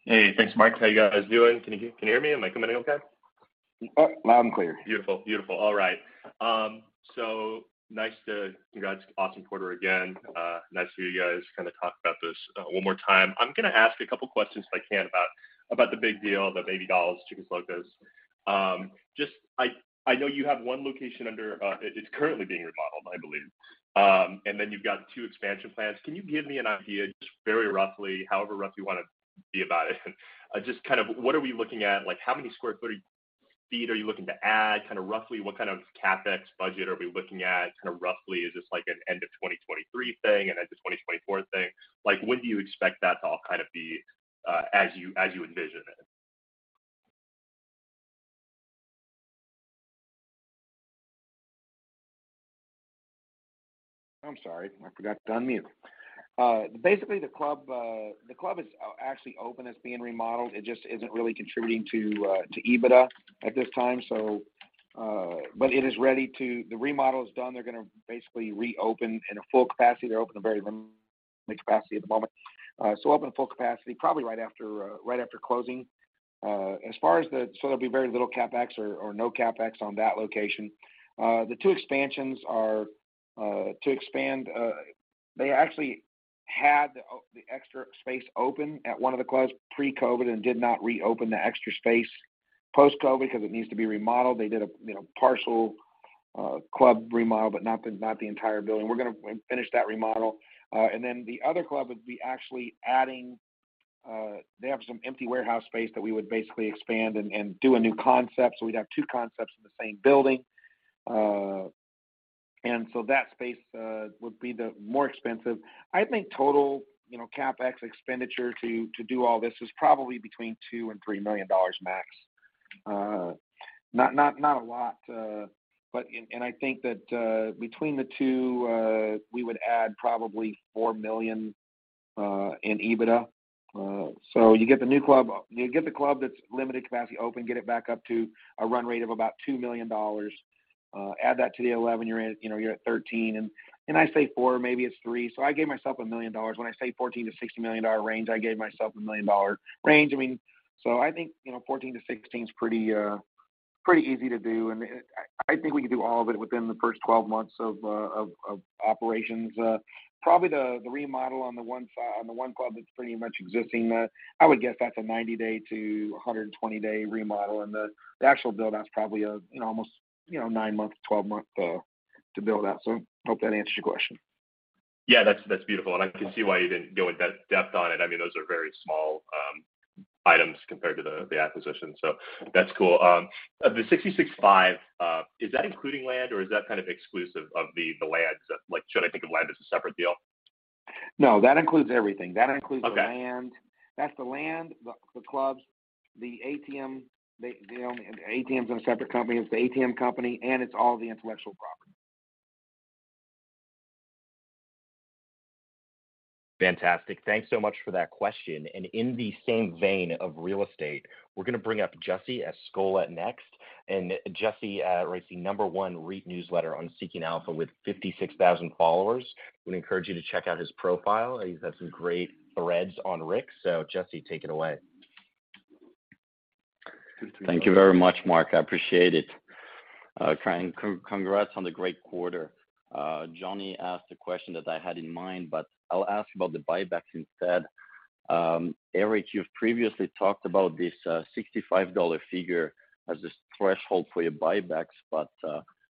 Hey. Thanks, Mark. How you guys doing? Can you hear me? Am I coming in okay? Loud and clear. Beautiful. Beautiful. All right. Nice to congrats to Austin Porter again. Nice for you guys to kind of talk about this one more time. I'm gonna ask a couple questions if I can about the big deal, the Baby Dolls, Chicas Locas. Just I know you have one location under. It's currently being remodeled, I believe. You've got two expansion plans. Can you give me an idea, just very roughly, however rough you wanna be about it, just kind of what are we looking at? Like, how many sq ft are you looking to add? Kinda roughly what kind of CapEx budget are we looking at? Kinda roughly is this like an end of 2023 thing, an end of 2024 thing? Like, when do you expect that to all kind of be, as you envision it? I'm sorry. I forgot to unmute. Basically the club, the club is actually open. It's being remodeled. It just isn't really contributing to EBITDA at this time. It is ready to. The remodel is done. They're gonna basically reopen in a full capacity. They're open in a very limited capacity at the moment. Open full capacity probably right after right after closing. There'll be very little CapEx or no CapEx on that location. The two expansions are to expand. They actually had the extra space open at one of the clubs pre-COVID and did not reopen the extra space post-COVID because it needs to be remodeled. They did a, you know, partial club remodel, but not the, not the entire building. We're gonna finish that remodel. The other club would be actually adding, they have some empty warehouse space that we would basically expand and do a new concept. We'd have two concepts in the same building. That space would be the more expensive. I think total, you know, CapEx expenditure to do all this is probably between $2 million-$3 million max. Not a lot, but I think that between the two, we would add probably $4 million in EBITDA. You get the new club. You get the club that's limited capacity open, get it back up to a run rate of about $2 million, add that to the $11 million you're in, you know, you're at $13 million. I say $4 million, maybe it's $3 million. I gave myself $1 million. When I say $14 million-$16 million range, I gave myself a $1 million range. I mean, I think, you know, $14 million-$16 million is pretty easy to do. I think we can do all of it within the first 12 months of operations. Probably the remodel on the one club that's pretty much existing, I would guess that's a 90-day to 120-day remodel. The, the actual build out's probably, you know, almost, you know, nine month to 12 month to build out. Hope that answers your question. Yeah. That's beautiful. I can see why you didn't go in depth on it. I mean, those are very small items compared to the acquisition. That's cool. The $66.5, is that including land or is that kind of exclusive of the land? Like, should I think of land as a separate deal? No, that includes everything. Okay. That includes the land. That's the land, the clubs, the ATM. They own ATM's in a separate company. It's the ATM company, and it's all the intellectual property. Fantastic. Thanks so much for that question. In the same vein of real estate, we're gonna bring up Jessy Escola next. Jessy writes the number one REIT newsletter on Seeking Alpha with 56,000 followers. Would encourage you to check out his profile. He's had some great threads on RICK. Jessy, take it away. Thank you very much, Mark. I appreciate it. Congrats on the great quarter. Johnny asked a question that I had in mind, but I'll ask about the buybacks instead. Eric, you've previously talked about this, $65 figure as this threshold for your buybacks, but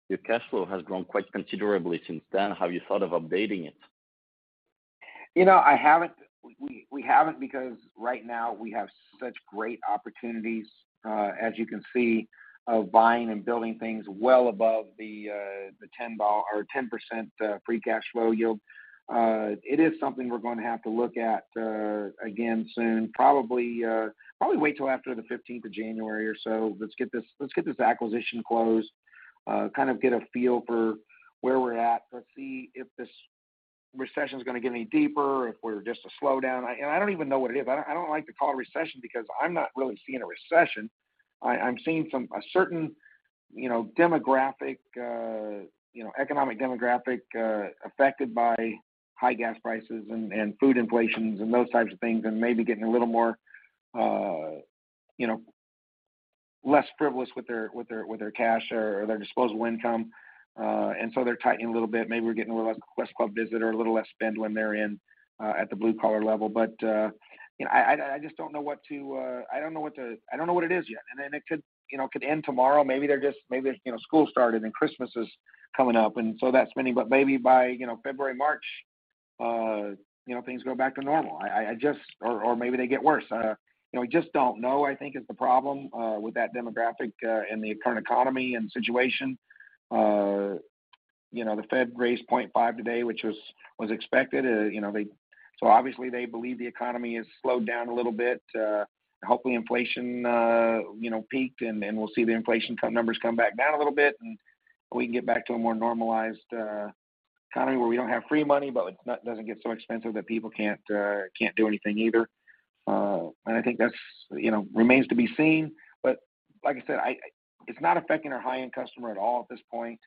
your cash flow has grown quite considerably since then. Have you thought of updating it? You know, I haven't. We haven't because right now we have such great opportunities, as you can see, of buying and building things well above the 10% free cash flow yield. It is something we're gonna have to look at again soon, probably wait till after the 15th of January or so. Let's get this acquisition closed, kind of get a feel for where we're at. Let's see if this recession's gonna get any deeper or if we're just a slowdown. I don't even know what it is. I don't like to call it a recession because I'm not really seeing a recession. I'm seeing some... ...a certain, you know, demographic, you know, economic demographic, affected by high gas prices and food inflations, and those types of things, and maybe getting a little more, you know, less frivolous with their, with their, with their cash or their disposable income. They're tightening a little bit. Maybe we're getting a little less Quest club visit or a little less spend when they're in at the blue-collar level. You know, I just don't know what to, I don't know what to I don't know what it is yet. It could, you know, could end tomorrow. Maybe they're just Maybe, you know, school started, and Christmas is coming up, and so that spending. Maybe by, you know, February, March, you know, things go back to normal. I just. Maybe they get worse. You know, we just don't know, I think is the problem, with that demographic, and the current economy and situation. You know, the Fed raised 0.5 today, which was expected. You know, obviously, they believe the economy has slowed down a little bit. Hopefully inflation, you know, peaked, and we'll see the inflation numbers come back down a little bit, and we can get back to a more normalized economy where we don't have free money, but it doesn't get so expensive that people can't do anything either. I think that's, you know, remains to be seen. Like I said, it's not affecting our high-end customer at all at this point,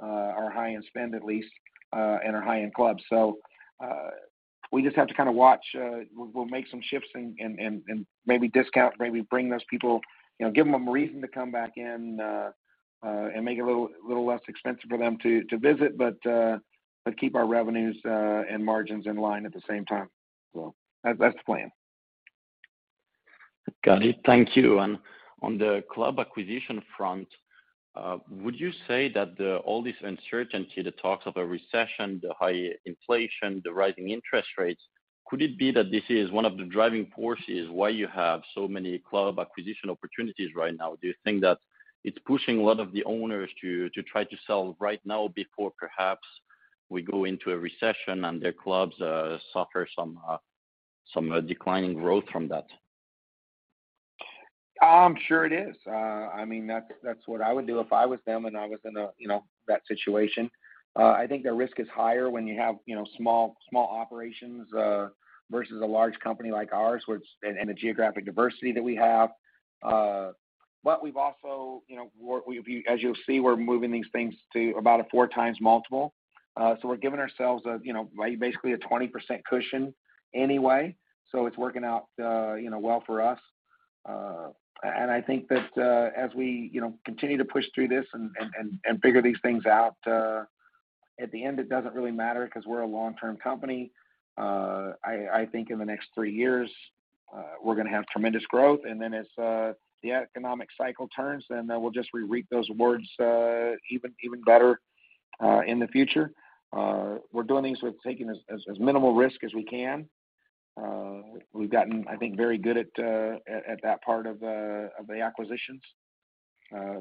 our high-end spend at least, and our high-end clubs. We just have to kind of watch. We'll make some shifts and maybe discount, maybe bring those people, you know, give them a reason to come back in, and make it a little less expensive for them to visit, but keep our revenues and margins in line at the same time. That's the plan. Got it. Thank you. On the club acquisition front, would you say that all this uncertainty, the talks of a recession, the high inflation, the rising interest rates, could it be that this is one of the driving forces why you have so many club acquisition opportunities right now? Do you think that it's pushing a lot of the owners to try to sell right now before perhaps we go into a recession and their clubs suffer some declining growth from that? I'm sure it is. I mean, that's what I would do if I was them, and I was in a, you know, that situation. I think their risk is higher when you have, you know, small operations, versus a large company like ours, which and the geographic diversity that we have. We've also, you know, we've as you'll see, we're moving these things to about a 4x multiple. We're giving ourselves a, you know, basically a 20% cushion anyway, so it's working out, you know, well for us. I think that, as we, you know, continue to push through this and figure these things out, at the end it doesn't really matter because we're a long-term company. I think in the next three years, we're gonna have tremendous growth. As the economic cycle turns, we'll just reap those rewards even better in the future. We're doing these with taking as minimal risk as we can. We've gotten, I think, very good at that part of the acquisitions,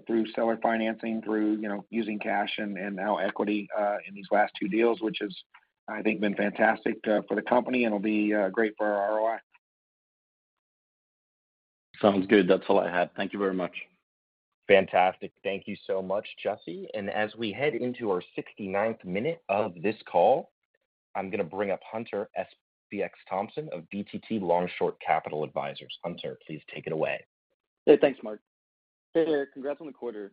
through seller financing, through, you know, using cash and now equity in these last two deals, which has, I think, been fantastic for the company. It'll be great for our ROI. Sounds good. That's all I had. Thank you very much. Fantastic. Thank you so much, Jessy. As we head into our 69th minute of this call, I'm going to bring up Hunter SBX Thompson of BTT Long/Short Capital Advisors. Hunter, please take it away. Yeah. Thanks, Mark. Hey, Eric. Congrats on the quarter.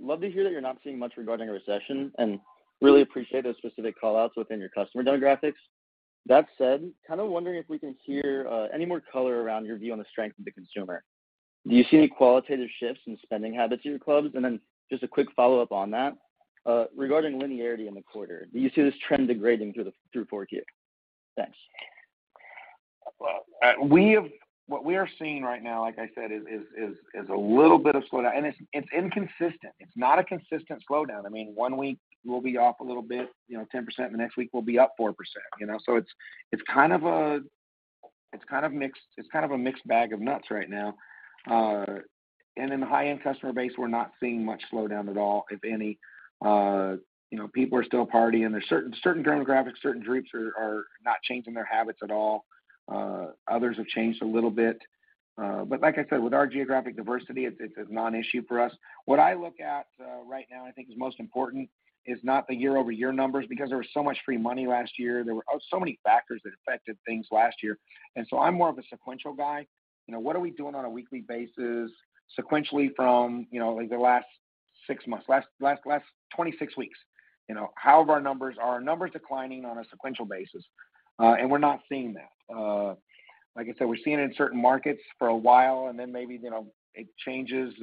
Love to hear that you're not seeing much regarding a recession, and really appreciate those specific call-outs within your customer demographics. That said, kind of wondering if we can hear any more color around your view on the strength of the consumer. Do you see any qualitative shifts in spending habits at your clubs? Just a quick follow-up on that, regarding linearity in the quarter, do you see this trend degrading through the fourth year? Thanks. Well, what we are seeing right now, like I said, is a little bit of slowdown. It's inconsistent. It's not a consistent slowdown. I mean, one week we'll be off a little bit, you know, 10%, and the next week we'll be up 4%, you know? It's kind of a mixed bag of nuts right now. In the high-end customer base, we're not seeing much slowdown at all, if any. You know, people are still partying. There's certain demographics, certain groups are not changing their habits at all. Others have changed a little bit. Like I said, with our geographic diversity, it's a non-issue for us. What I look at right now and I think is most important is not the year-over-year numbers because there was so much free money last year. There were so many factors that affected things last year. I'm more of a sequential guy. What are we doing on a weekly basis sequentially from, like the last six months, last 26 weeks? How have our numbers? Are our numbers declining on a sequential basis? We're not seeing that. Like I said, we're seeing it in certain markets for a while, and then maybe, you know, it changes.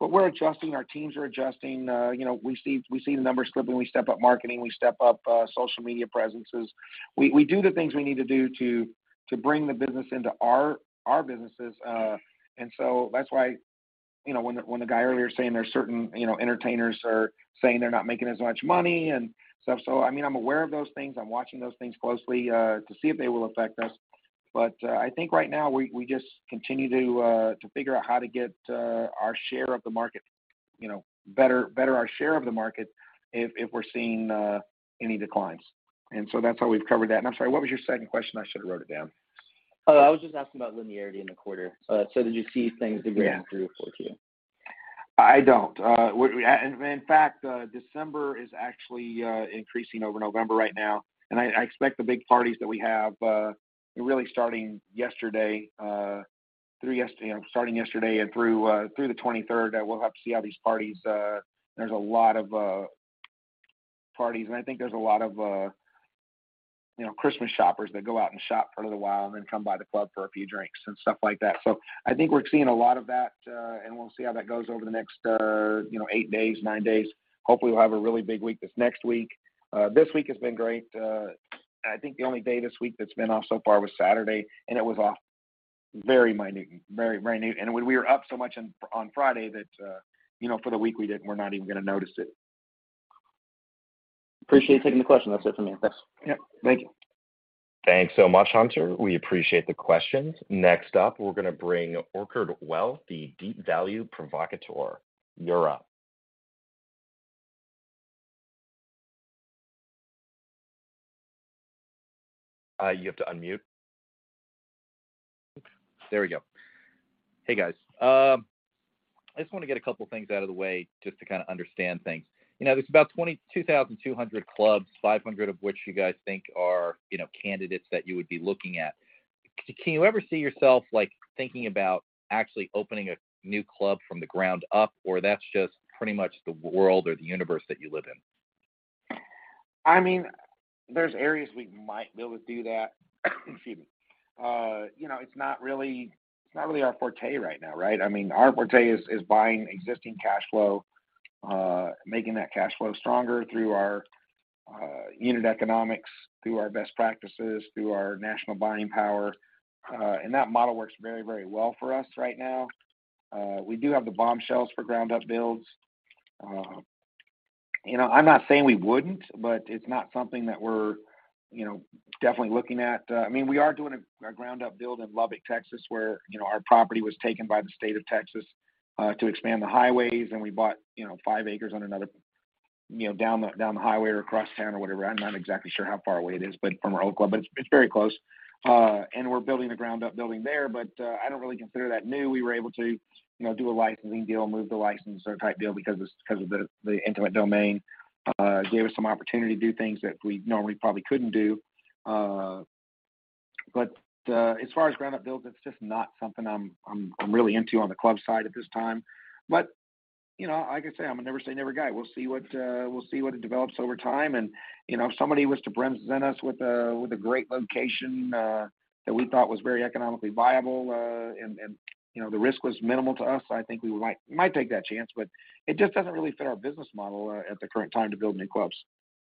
We're adjusting, our teams are adjusting. You know, we see the numbers slipping, we step up marketing, we step up social media presences. We do the things we need to do to bring the business into our businesses. That's why, you know, when the guy earlier saying there's certain, you know, entertainers are saying they're not making as much money and stuff, so I mean, I'm aware of those things. I'm watching those things closely, to see if they will affect us. I think right now we just continue to figure out how to get our share of the market, you know, better our share of the market if we're seeing any declines. That's how we've covered that. I'm sorry, what was your second question? I should've wrote it down. I was just asking about linearity in the quarter. Did you see things degrading through 40? I don't. In fact, December is actually increasing over November right now, and I expect the big parties that we have, really starting yesterday and through the 23rd, we'll have to see how these parties. There's a lot of parties, and I think there's a lot of, you know, Christmas shoppers that go out and shop for a little while and then come by the club for a few drinks and stuff like that. I think we're seeing a lot of that, and we'll see how that goes over the next, you know, eight days, nine days. Hopefully, we'll have a really big week this next week. This week has been great. I think the only day this week that's been off so far was Saturday, and it was off very minute. Very minute. We were up so much on Friday that, you know, for the week we're not even gonna notice it. Appreciate you taking the question. That's it for me. Thanks. Yep. Thank you. Thanks so much, Hunter. We appreciate the questions. Next up, we're gonna bring Orchard Wealth, the deep value provocateur. You're up. You have to unmute. There we go. Hey, guys. I just wanna get a couple things out of the way just to kind of understand things. You know, there's about 22,200 clubs, 500 of which you guys think are, you know, candidates that you would be looking at. Can you ever see yourself like thinking about actually opening a new club from the ground up, or that's just pretty much the world or the universe that you live in? I mean, there's areas we might be able to do that. Excuse me. You know, it's not really our forte right now, right? I mean, our forte is buying existing cash flow, making that cash flow stronger through our unit economics, through our best practices, through our national buying power. That model works very, very well for us right now. We do have the Bombshells for ground-up builds. You know, I'm not saying we wouldn't, but it's not something that we're, you know, definitely looking at. I mean, we are doing a ground-up build in Lubbock, Texas, where, you know, our property was taken by the state of Texas, to expand the highways. We bought, you know, five acres on another, you know, down the, down the highway or across town or whatever. I'm not exactly sure how far away it is, but from our old club. It's very close, and we're building a ground-up building there, but I don't really consider that new. We were able to, you know, do a licensing deal, move the license or type deal because of the intimate domain. It gave us some opportunity to do things that we normally probably couldn't do. As far as ground-up builds, it's just not something I'm really into on the club side at this time. You know, like I say, I'm a never-say-never guy. We'll see what we'll see what it develops over time. You know, if somebody was to present us with a, with a great location, that we thought was very economically viable, and, you know, the risk was minimal to us, I think we might take that chance, but it just doesn't really fit our business model, at the current time to build new clubs.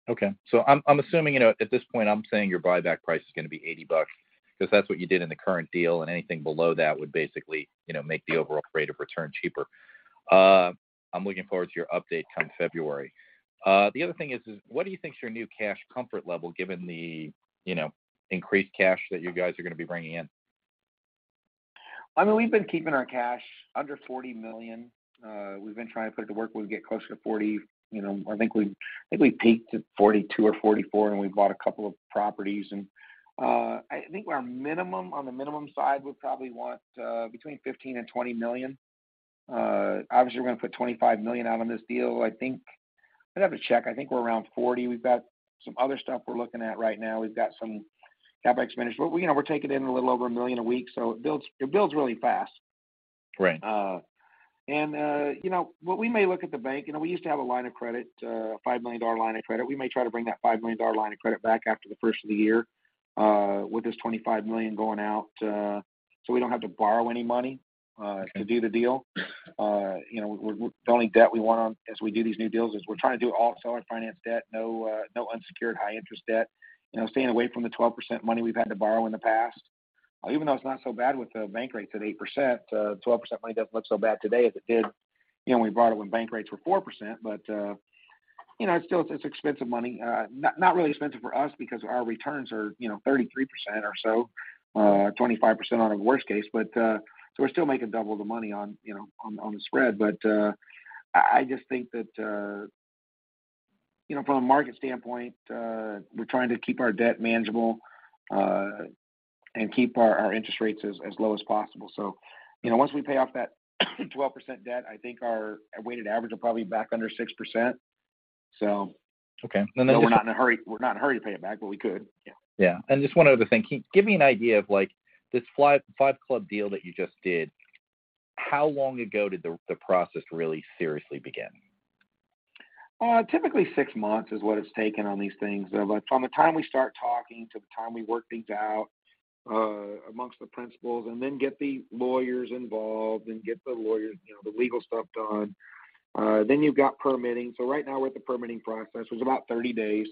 I'm assuming, you know, at this point I'm saying your buyback price is gonna be $80 because that's what you did in the current deal, and anything below that would basically, you know, make the overall rate of return cheaper. I'm looking forward to your update come February. The other thing is what do you think is your new cash comfort level given the, you know, increased cash that you guys are gonna be bringing in? I mean, we've been keeping our cash under $40 million. We've been trying to put it to work when we get closer to $40 million. You know, I think we peaked at $42 million or $44 million, and we bought a couple of properties. I think our minimum, on the minimum side, we probably want between $15 million and $20 million. Obviously we're gonna put $25 million out on this deal. I'd have to check. I think we're around $40 million. We've got some other stuff we're looking at right now. We've got some CapEx management. You know, we're taking in a little over $1 million a week, so it builds really fast. Right. You know, what we may look at the bank, you know, we used to have a line of credit, a $5 million line of credit. We may try to bring that $5 million line of credit back after the first of the year, with this $25 million going out, so we don't have to borrow any money to do the deal. You know, the only debt we want on as we do these new deals is we're trying to do all seller finance debt, no unsecured high interest debt. You know, staying away from the 12% money we've had to borrow in the past. Even though it's not so bad with the bank rates at 8%, 12% money doesn't look so bad today as it did. You know, we bought it when bank rates were 4%, you know, it's still expensive money. Not really expensive for us because our returns are, you know, 33% or so, 25% on a worst case. I just think that, you know, from a market standpoint, we're trying to keep our debt manageable, and keep our interest rates as low as possible. You know, once we pay off that 12% debt, I think our weighted average will probably be back under 6%. Okay. We're not in a hurry, we're not in a hurry to pay it back, but we could. Yeah. Yeah. Just one other thing. Can you give me an idea of, like, this five-club deal that you just did, how long ago did the process really seriously begin? Typically six months is what it's taken on these things. Like from the time we start talking to the time we work things out, amongst the principals, and then get the lawyers involved, and get the lawyers, you know, the legal stuff done. You've got permitting. Right now we're at the permitting process. It was about 30 days.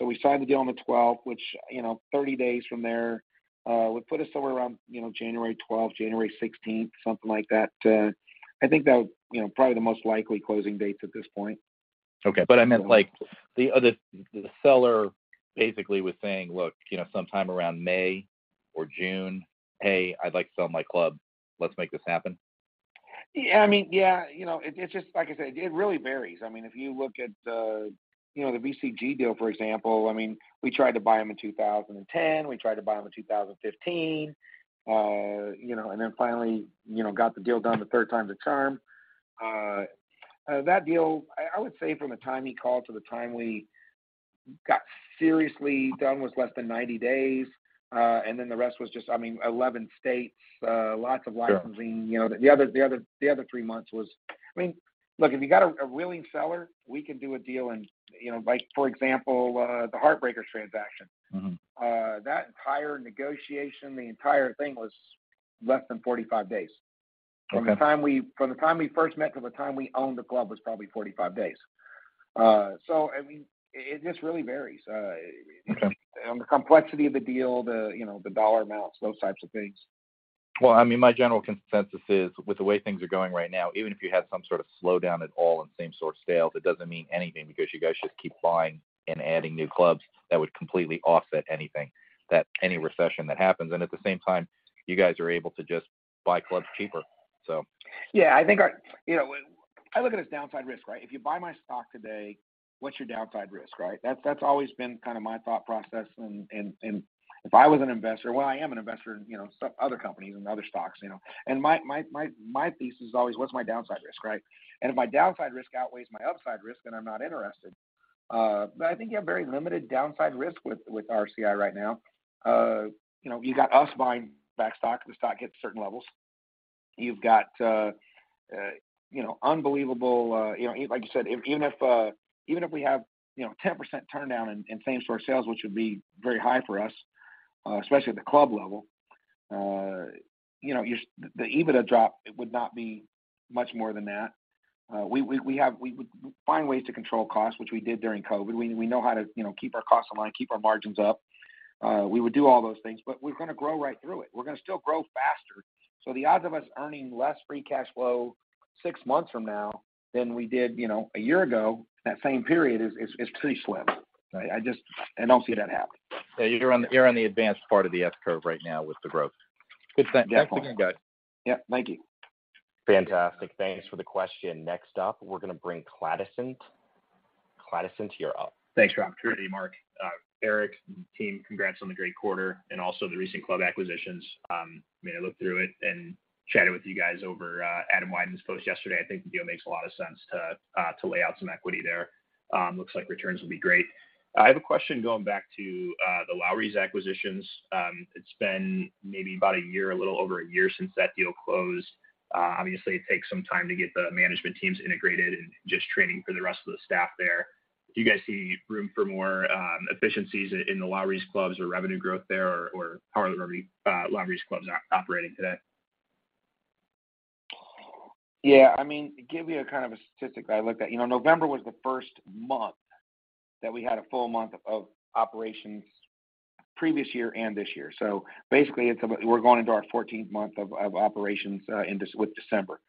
We signed the deal on the 12th, which, you know, 30 days from there, would put us somewhere around, you know, January 12th, January 16th, something like that. I think that would, you know, probably the most likely closing dates at this point. Okay. The seller basically was saying, "Look, you know, sometime around May or June, hey, I'd like to sell my club. Let's make this happen. Yeah, I mean, yeah. You know, it just... Like I said, it really varies. I mean, if you look at the, you know, the BCG deal, for example, I mean, we tried to buy them in 2010, we tried to buy them in 2015, you know, and then finally, you know, got the deal done the third time's a charm. That deal, I would say from the time he called to the time we got seriously done was less than 90 days. Then the rest was just, I mean, 11 states, lots of licensing. Sure. You know, the other three months was. I mean, look, if you got a willing seller, we can do a deal in. You know, like for example, the Heartbreakers transaction. Mm-hmm. That entire negotiation, the entire thing was less than 45 days. Okay. From the time we first met to the time we owned the club was probably 45 days. I mean, it just really varies. Okay On the complexity of the deal, the, you know, the dollar amounts, those types of things. Well, I mean, my general consensus is, with the way things are going right now, even if you had some sort of slowdown at all in same-store sales, it doesn't mean anything because you guys just keep buying and adding new clubs that would completely offset any recession that happens, and at the same time, you guys are able to just buy clubs cheaper. So. I think, you know, I look at this downside risk, right? If you buy my stock today, what's your downside risk, right? That's always been kind of my thought process. If I was an investor. Well, I am an investor in, you know, some other companies and other stocks, you know. My thesis is always what's my downside risk, right? If my downside risk outweighs my upside risk, then I'm not interested. I think you have very limited downside risk with RCI right now. You know, you've got us buying back stock if the stock hits certain levels. Unbelievable, like you said, even if we have, you know, 10% turndown in same-store sales, which would be very high for us, especially at the club level, you know, the EBITDA drop, it would not be much more than that. We have. We would find ways to control costs, which we did during COVID. We know how to, you know, keep our costs in line, keep our margins up. We would do all those things, but we're going to grow right through it. We're going to still grow faster. So the odds of us earning less free cash flow six months from now than we did, you know, a year ago, that same period is pretty slim, right? I just, I don't see that happening. Yeah. You're on the advanced part of the S-curve right now with the growth. It's been. Definitely. Yeah. Thank you. Fantastic. Thanks for the question. Next up, we're gonna bring Cladison. Cladison, you're up. Thanks, Rob. Good day, Mark. Eric, team, congrats on the great quarter and also the recent club acquisitions. I mean, I looked through it and chatted with you guys over Adam Wyden's post yesterday. I think the deal makes a lot of sense to lay out some equity there. Looks like returns will be great. I have a question going back to the Lowry's acquisitions. It's been maybe about a year, a little over a year since that deal closed. Obviously it takes some time to get the management teams integrated and just training for the rest of the staff there. Do you guys see room for more efficiencies in the Lowry's clubs or revenue growth there or how are the Lowry's clubs operating today? Yeah, I mean, to give you a kind of a statistic that I looked at, you know, November was the first month that we had a full month of operations previous year and this year. Basically it's about we're going into our 14th month of operations with December.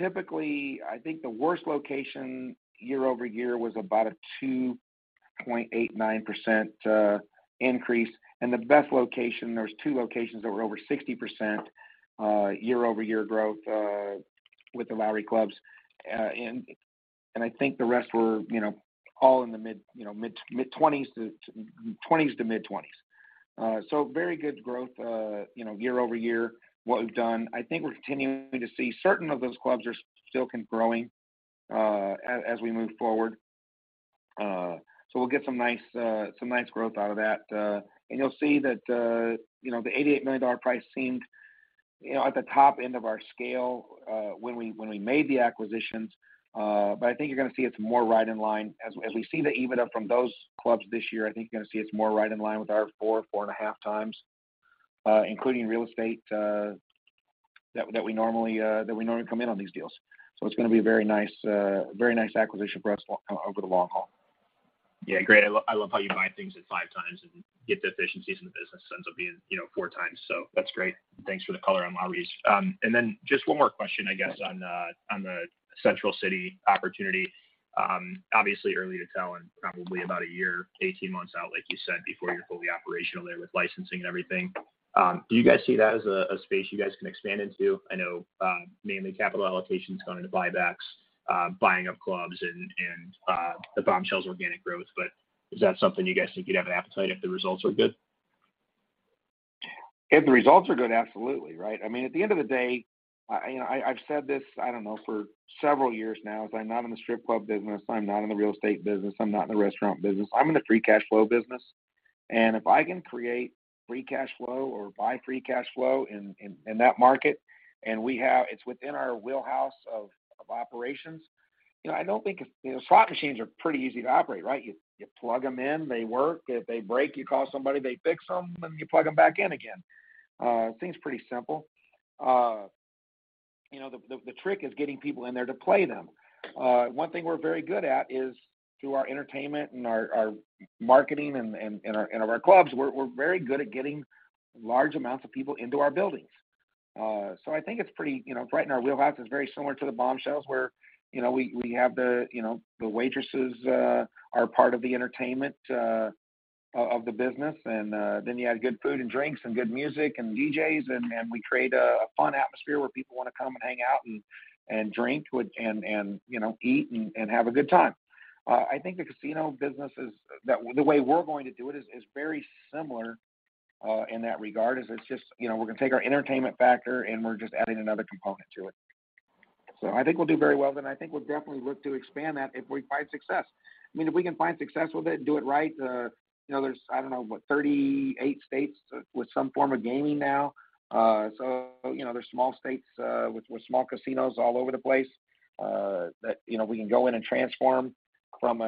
Typically, I think the worst location year-over-year was about a 2.89% increase, and the best location, there's two locations that were over 60% year-over-year growth with the Lowry clubs. And I think the rest were, you know, all in the mid-20s to mid-20s. Very good growth, you know, year-over-year, what we've done. I think we're continuing to see certain of those clubs are still growing as we move forward. We'll get some nice, some nice growth out of that. You'll see that, you know, the $88 million price seemed, you know, at the top end of our scale when we made the acquisitions, I think you're gonna see it's more right in line. As we see the EBITDA from those clubs this year, I think you're gonna see it's more right in line with our 4.5 times, including real estate that we normally come in on these deals. It's gonna be a very nice, very nice acquisition for us over the long haul. Yeah, great. I love how you buy things at five times and get the efficiencies in the business ends up being, you know, four times. That's great. Thanks for the color on Maurice. Just one more question, I guess, on the Central City opportunity. Obviously early to tell and probably about one year, 18 months out, like you said, before you're fully operational there with licensing and everything. Do you guys see that as a space you guys can expand into? I know, mainly capital allocation is going into buybacks, buying up clubs and the Bombshells organic growth, is that something you guys think you'd have an appetite if the results are good? If the results are good, absolutely. Right? I mean, at the end of the day, I, you know, I've said this, I don't know, for several years now, is I'm not in the strip club business, I'm not in the real estate business, I'm not in the restaurant business. I'm in the free cash flow business. If I can create free cash flow or buy free cash flow in, in that market, and we have... It's within our wheelhouse of operations. You know, I don't think... You know, slot machines are pretty easy to operate, right? You plug them in, they work. If they break, you call somebody, they fix them, and you plug them back in again. Seems pretty simple. You know, the trick is getting people in there to play them. One thing we're very good at is through our entertainment and our marketing and our clubs, we're very good at getting large amounts of people into our buildings. I think it's pretty. You know, right in our wheelhouse. It's very similar to the Bombshells, where, you know, we have the. You know, the waitresses are part of the entertainment of the business. You add good food and drinks and good music and DJs, and we create a fun atmosphere where people want to come and hang out and drink with. You know, eat and have a good time. I think the casino business is. The way we're going to do it is very similar in that regard, is it's just. You know, we're gonna take our entertainment factor, and we're just adding another component to it. I think we'll do very well then. I think we'll definitely look to expand that if we find success. I mean, if we can find success with it and do it right, you know, there's, I don't know, what, 38 states with some form of gaming now. There's small states with small casinos all over the place that, you know, we can go in and transform from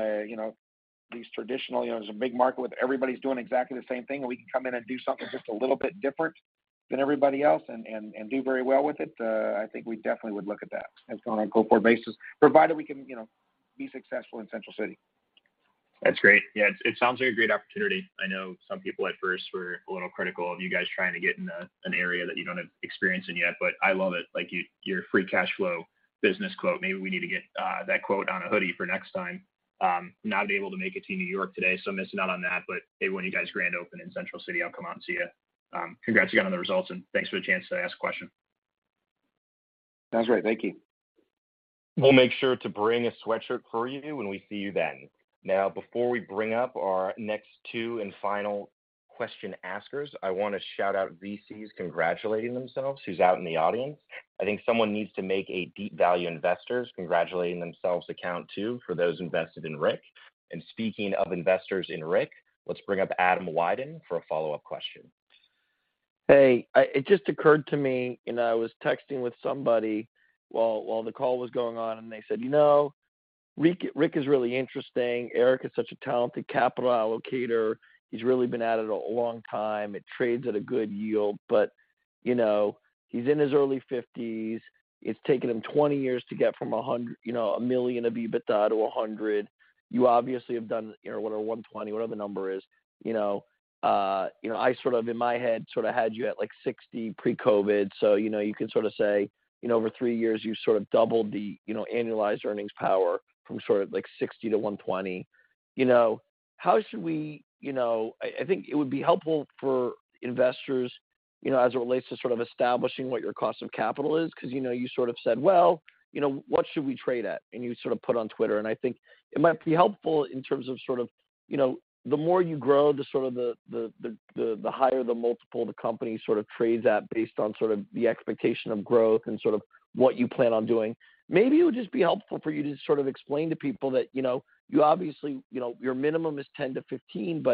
these traditional. You know, there's a big market with everybody's doing exactly the same thing, and we can come in and do something just a little bit different than everybody else and do very well with it. I think we definitely would look at that as on a go-forward basis, provided we can, you know, be successful in Central City. That's great. Yeah, it sounds like a great opportunity. I know some people at first were a little critical of you guys trying to get into an area that you don't have experience in yet. I love it. Like, your free cash flow business quote. Maybe we need to get that quote on a hoodie for next time. Not able to make it to New York today, missing out on that. Hey, when you guys grand open in Central City, I'll come out and see you. Congrats again on the results. Thanks for the chance to ask a question. Sounds great. Thank you. We'll make sure to bring a sweatshirt for you when we see you then. Before we bring up our next two and final question askers, I want to shout out VCs congratulating themselves who's out in the audience. I think someone needs to make a deep value investors congratulating themselves account too for those invested in Rick. Speaking of investors in Rick, let's bring up Adam Wyden for a follow-up question. Hey, it just occurred to me, I was texting with somebody while the call was going on, and they said, "You know, Rick's is really interesting. Eric is such a talented capital allocator. He's really been at it a long time. It trades at a good yield." You know, he's in his early fifties. It's taken him 20 years to get from $1 million of EBITDA to $100 million. You obviously have done, you know, what, a $120 million, whatever the number is. You know, I sort of in my head sort of had you at, like, $60 million pre-COVID. You know, you could sort of say, you know, over 3 years, you've sort of doubled the, you know, annualized earnings power from sort of like $60 million to $120 million. You know, how should we... You know, I think it would be helpful for investors, you know, as it relates to sort of establishing what your cost of capital is, because, you know, you sort of said, "Well, you know, what should we trade at?" You sort of put on Twitter. I think it might be helpful in terms of sort of, you know, the more you grow to sort of the higher the multiple the company sort of trades at based on sort of the expectation of growth and sort of what you plan on doing. Maybe it would just be helpful for you to sort of explain to people that, you know, you obviously... You know, your minimum is 10-15.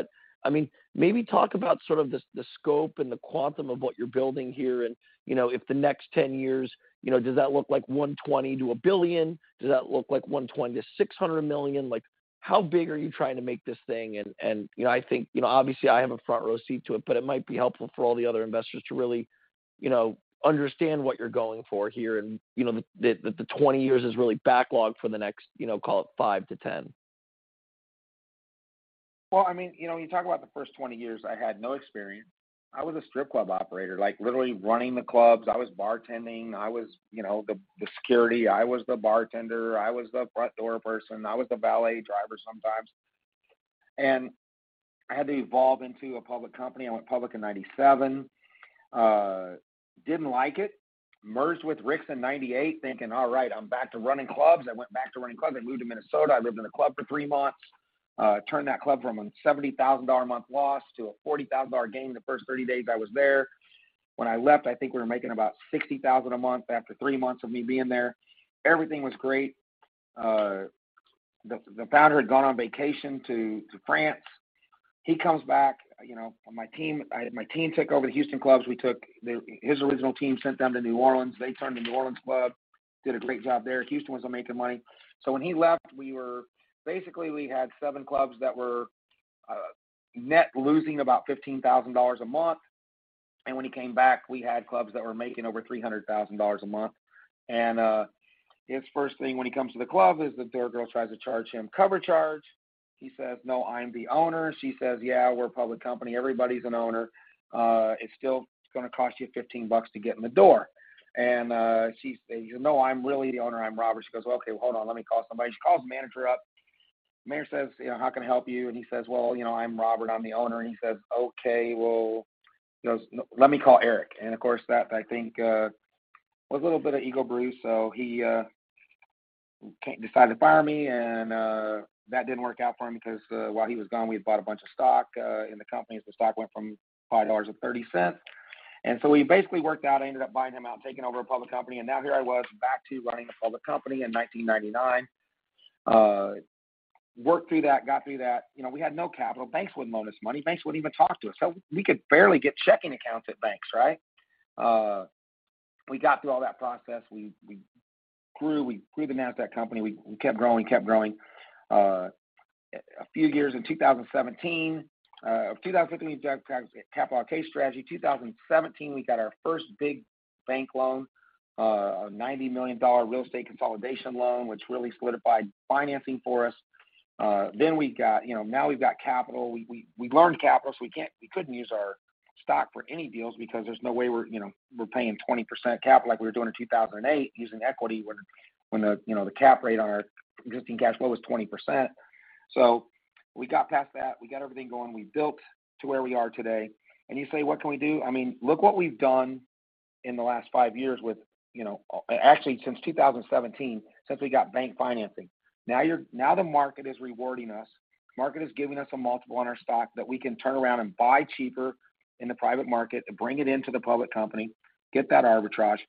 I mean, maybe talk about sort of the scope and the quantum of what you're building here and, you know, if the next 10 years, you know, does that look like $120 million to $1 billion? Does that look like $120 million to $600 million? Like, how big are you trying to make this thing? I think, you know, obviously I have a front row seat to it, but it might be helpful for all the other investors to really, you know, understand what you're going for here. The 20 years is really backlogged for the next, you know, call it 5-10. Well, I mean, you know, when you talk about the first 20 years, I had no experience. I was a strip club operator, like literally running the clubs. I was bartending. I was, you know, the security. I was the bartender. I was the front door person. I was the valet driver sometimes. I had to evolve into a public company. I went public in 1997. Didn't like it. Merged with Rick's in 1998 thinking, "All right, I'm back to running clubs." I went back to running clubs. I moved to Minnesota. I lived in a club for three months. Turned that club from a $70,000 a month loss to a $40,000 gain the first 30 days I was there. When I left, I think we were making about $60,000 a month after three months of me being there. Everything was great. The founder had gone on vacation to France. He comes back. You know, my team took over the Houston clubs. We took His original team, sent them to New Orleans. They turned the New Orleans club, did a great job there. Houston wasn't making money. When he left, Basically, we had seven clubs that were net losing about $15,000 a month. When he came back, we had clubs that were making over $300,000 a month. His first thing when he comes to the club is that their girl tries to charge him cover charge. He says, "No, I'm the owner." She says, "Yeah, we're a public company. Everybody's an owner. It's still gonna cost you $15 to get in the door." He says, "You know, I'm really the owner. I'm Robert." She goes, "Well, okay, hold on. Let me call somebody." She calls the manager up. Manager says, you know, "How can I help you?" He says, "Well, you know, I'm Robert, I'm the owner." He says, "Okay, well," he goes, "Let me call Eric." That I think was a little bit of ego bruise, he decided to fire me, that didn't work out for him because while he was gone, we had bought a bunch of stock in the company. The stock went from $5.30. We basically worked out, I ended up buying him out, taking over a public company, and now here I was back to running a public company in 1999. Worked through that, got through that. You know, we had no capital. Banks wouldn't loan us money. Banks wouldn't even talk to us. We could barely get checking accounts at banks, right? We got through all that process. We grew the Nasdaq company. We kept growing, a few years. In 2015, we developed our capital allocation strategy. 2017, we got our first big bank loan, a $90 million real estate consolidation loan, which really solidified financing for us. You know, now we've got capital. We learned capital, we can't... We couldn't use our stock for any deals because there's no way we're, you know, paying 20% capital like we were doing in 2008 using equity when the, you know, cap rate on our existing cash flow was 20%. We got past that. We got everything going. We built to where we are today. You say, "What can we do?" I mean, look what we've done in the last five years with, you know, actually since 2017, since we got bank financing. Now the market is rewarding us. Market is giving us a multiple on our stock that we can turn around and buy cheaper in the private market and bring it into the public company, get that arbitrage,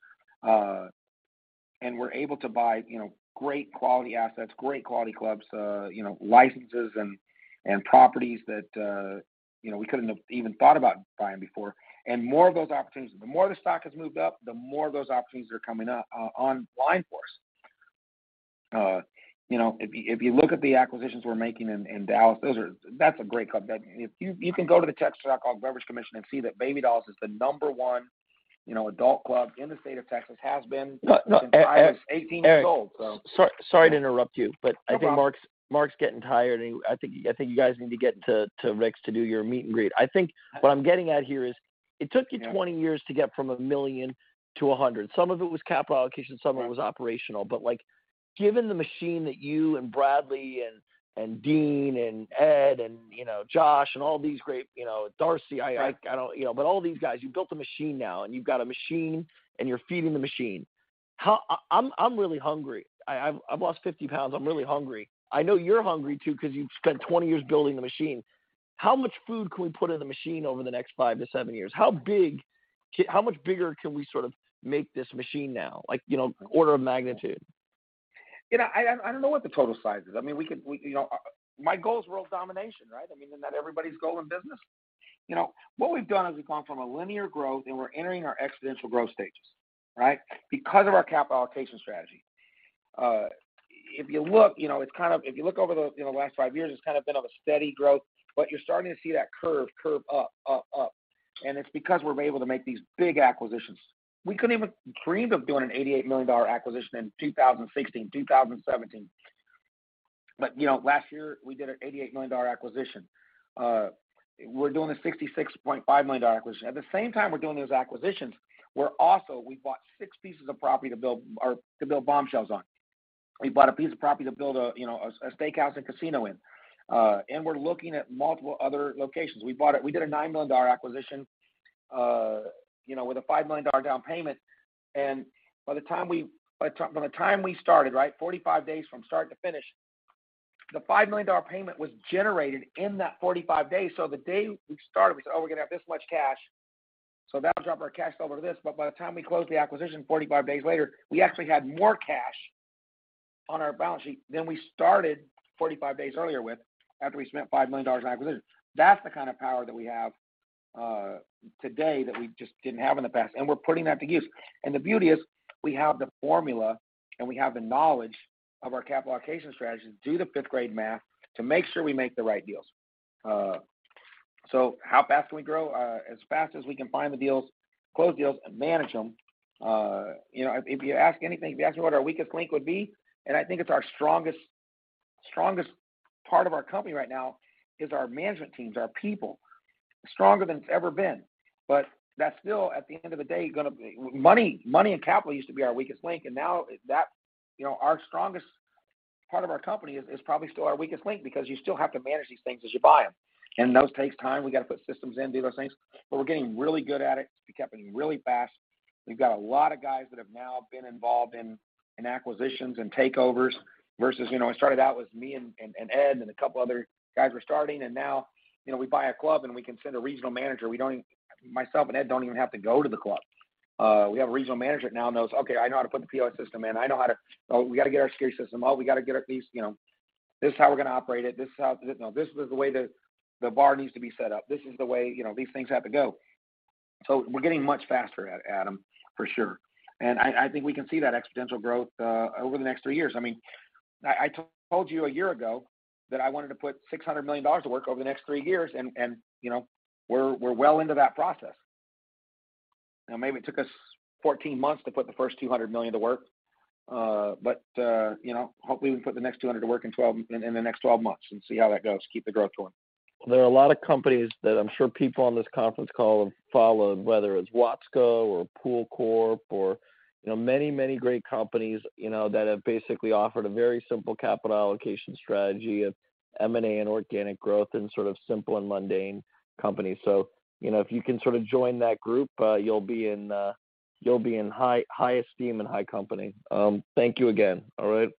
and we're able to buy, you know, great quality assets, great quality clubs, you know, licenses and properties that, you know, we couldn't have even thought about buying before. More of those opportunities, the more the stock has moved up, the more those opportunities are coming up on Blind Force. You know, if you look at the acquisitions we're making in Dallas, that's a great club. If you can go to the Texas Alcoholic Beverage Commission and see that Baby Dolls is the number one, you know, adult club in the state of Texas, has been- No, no. Since I was 18 years old, so. Eric, sorry to interrupt you, but I think Mark's getting tired, and I think you guys need to get to Rick's to do your meet and greet. I think what I'm getting at here is it took you 20 years to get from $1 million to $100 million. Some of it was capital allocation, some of it was operational. Like, given the machine that you and Bradley and Dean and Ed and, you know, Josh and all these great, you know, Darcy, I don't, you know, but all these guys, you've built a machine now, and you've got a machine, and you're feeding the machine. How. I'm really hungry. I've lost 50 pounds. I'm really hungry. I know you're hungry too because you've spent 20 years building the machine. How much food can we put in the machine over the next five to seven years? How much bigger can we sort of make this machine now? Like, you know, order of magnitude. You know, I don't know what the total size is. I mean, you know, my goal is world domination, right? I mean, isn't that everybody's goal in business? You know, what we've done is we've gone from a linear growth, and we're entering our exponential growth stages, right? Because of our capital allocation strategy. If you look, you know, if you look over the, you know, the last five years, it's kind of been of a steady growth, but you're starting to see that curve up. It's because we're able to make these big acquisitions. We couldn't even dream of doing an $88 million acquisition in 2016, 2017. You know, last year, we did an $88 million acquisition. We're doing a $66.5 million acquisition. At the same time we're doing those acquisitions, we're also we bought six pieces of property to build Bombshells on. We bought a piece of property to build a, you know, a steakhouse and casino in. We're looking at multiple other locations. We did a $9 million acquisition, you know, with a $5 million down payment, and by the time we started, right, 45 days from start to finish, the $5 million payment was generated in that 45 days. The day we started, we said, "Oh, we're gonna have this much cash, so that'll drop our cash flow to this." By the time we closed the acquisition 45 days later, we actually had more cash on our balance sheet than we started 45 days earlier with, after we spent $5 million in acquisition. That's the kind of power that we have today that we just didn't have in the past, and we're putting that to use. The beauty is, we have the formula, and we have the knowledge of our capital allocation strategies, do the fifth-grade math to make sure we make the right deals. How fast can we grow? As fast as we can find the deals, close deals, and manage them. You know, if you ask me what our weakest link would be, I think it's our strongest part of our company right now is our management teams, our people. Stronger than it's ever been. That's still, at the end of the day, Money and capital used to be our weakest link, now that you know, our strongest part of our company is probably still our weakest link because you still have to manage these things as you buy them. Those takes time. We got to put systems in, do those things. We're getting really good at it. It's becoming really fast. We've got a lot of guys that have now been involved in acquisitions and takeovers versus, you know, it started out with me and Ed and a couple other guys were starting. Now, you know, we buy a club, and we can send a regional manager. Myself and Ed don't even have to go to the club. We have a regional manager now knows, "Okay, I know how to put the POS system in. I know how to get our security system. We got to get our piece... you know, this is how we're gonna operate it. You know, this is the way the bar needs to be set up. This is the way, you know, these things have to go." We're getting much faster at, Adam, for sure. I think we can see that exponential growth over the next three years. I mean, I told you a year ago that I wanted to put $600 million to work over the next three years and, you know, we're well into that process. Now, maybe it took us 14 months to put the first $200 million to work, but, you know, hopefully, we can put the next $200 million to work in the next 12 months and see how that goes. Keep the growth going. There are a lot of companies that I'm sure people on this conference call have followed, whether it's Watsco or Pool Corp. or, you know, many, many great companies, you know, that have basically offered a very simple capital allocation strategy of M&A and organic growth and sort of simple and mundane companies. You know, if you can sort of join that group, you'll be in, you'll be in high, high esteem and high company. Thank you again, all right?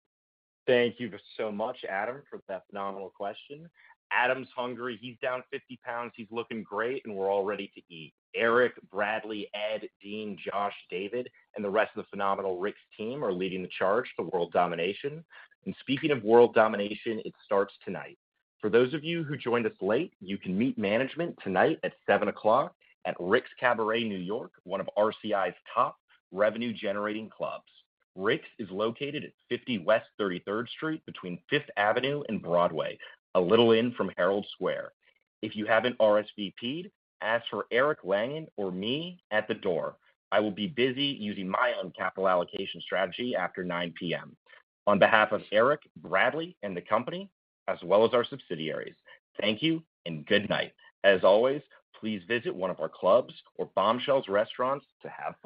Thank you so much, Adam, for that phenomenal question. Adam's hungry. He's down 50 pounds. He's looking great, and we're all ready to eat. Eric, Bradley, Ed, Dean, Josh, David, and the rest of the phenomenal Rick's team are leading the charge to world domination. Speaking of world domination, it starts tonight. For those of you who joined us late, you can meet management tonight at 7:00 o'clock at Rick's Cabaret New York, one of RCI's top revenue-generating clubs. Rick's is located at 50 West 33rd Street between Fifth Avenue and Broadway, a little in from Herald Square. If you haven't RSVP'd, ask for Eric Langan or me at the door. I will be busy using my own capital allocation strategy after 9:00 P.M. On behalf of Eric, Bradley, and the company, as well as our subsidiaries, thank you and good night. As always, please visit one of our clubs or Bombshells restaurants to have fun.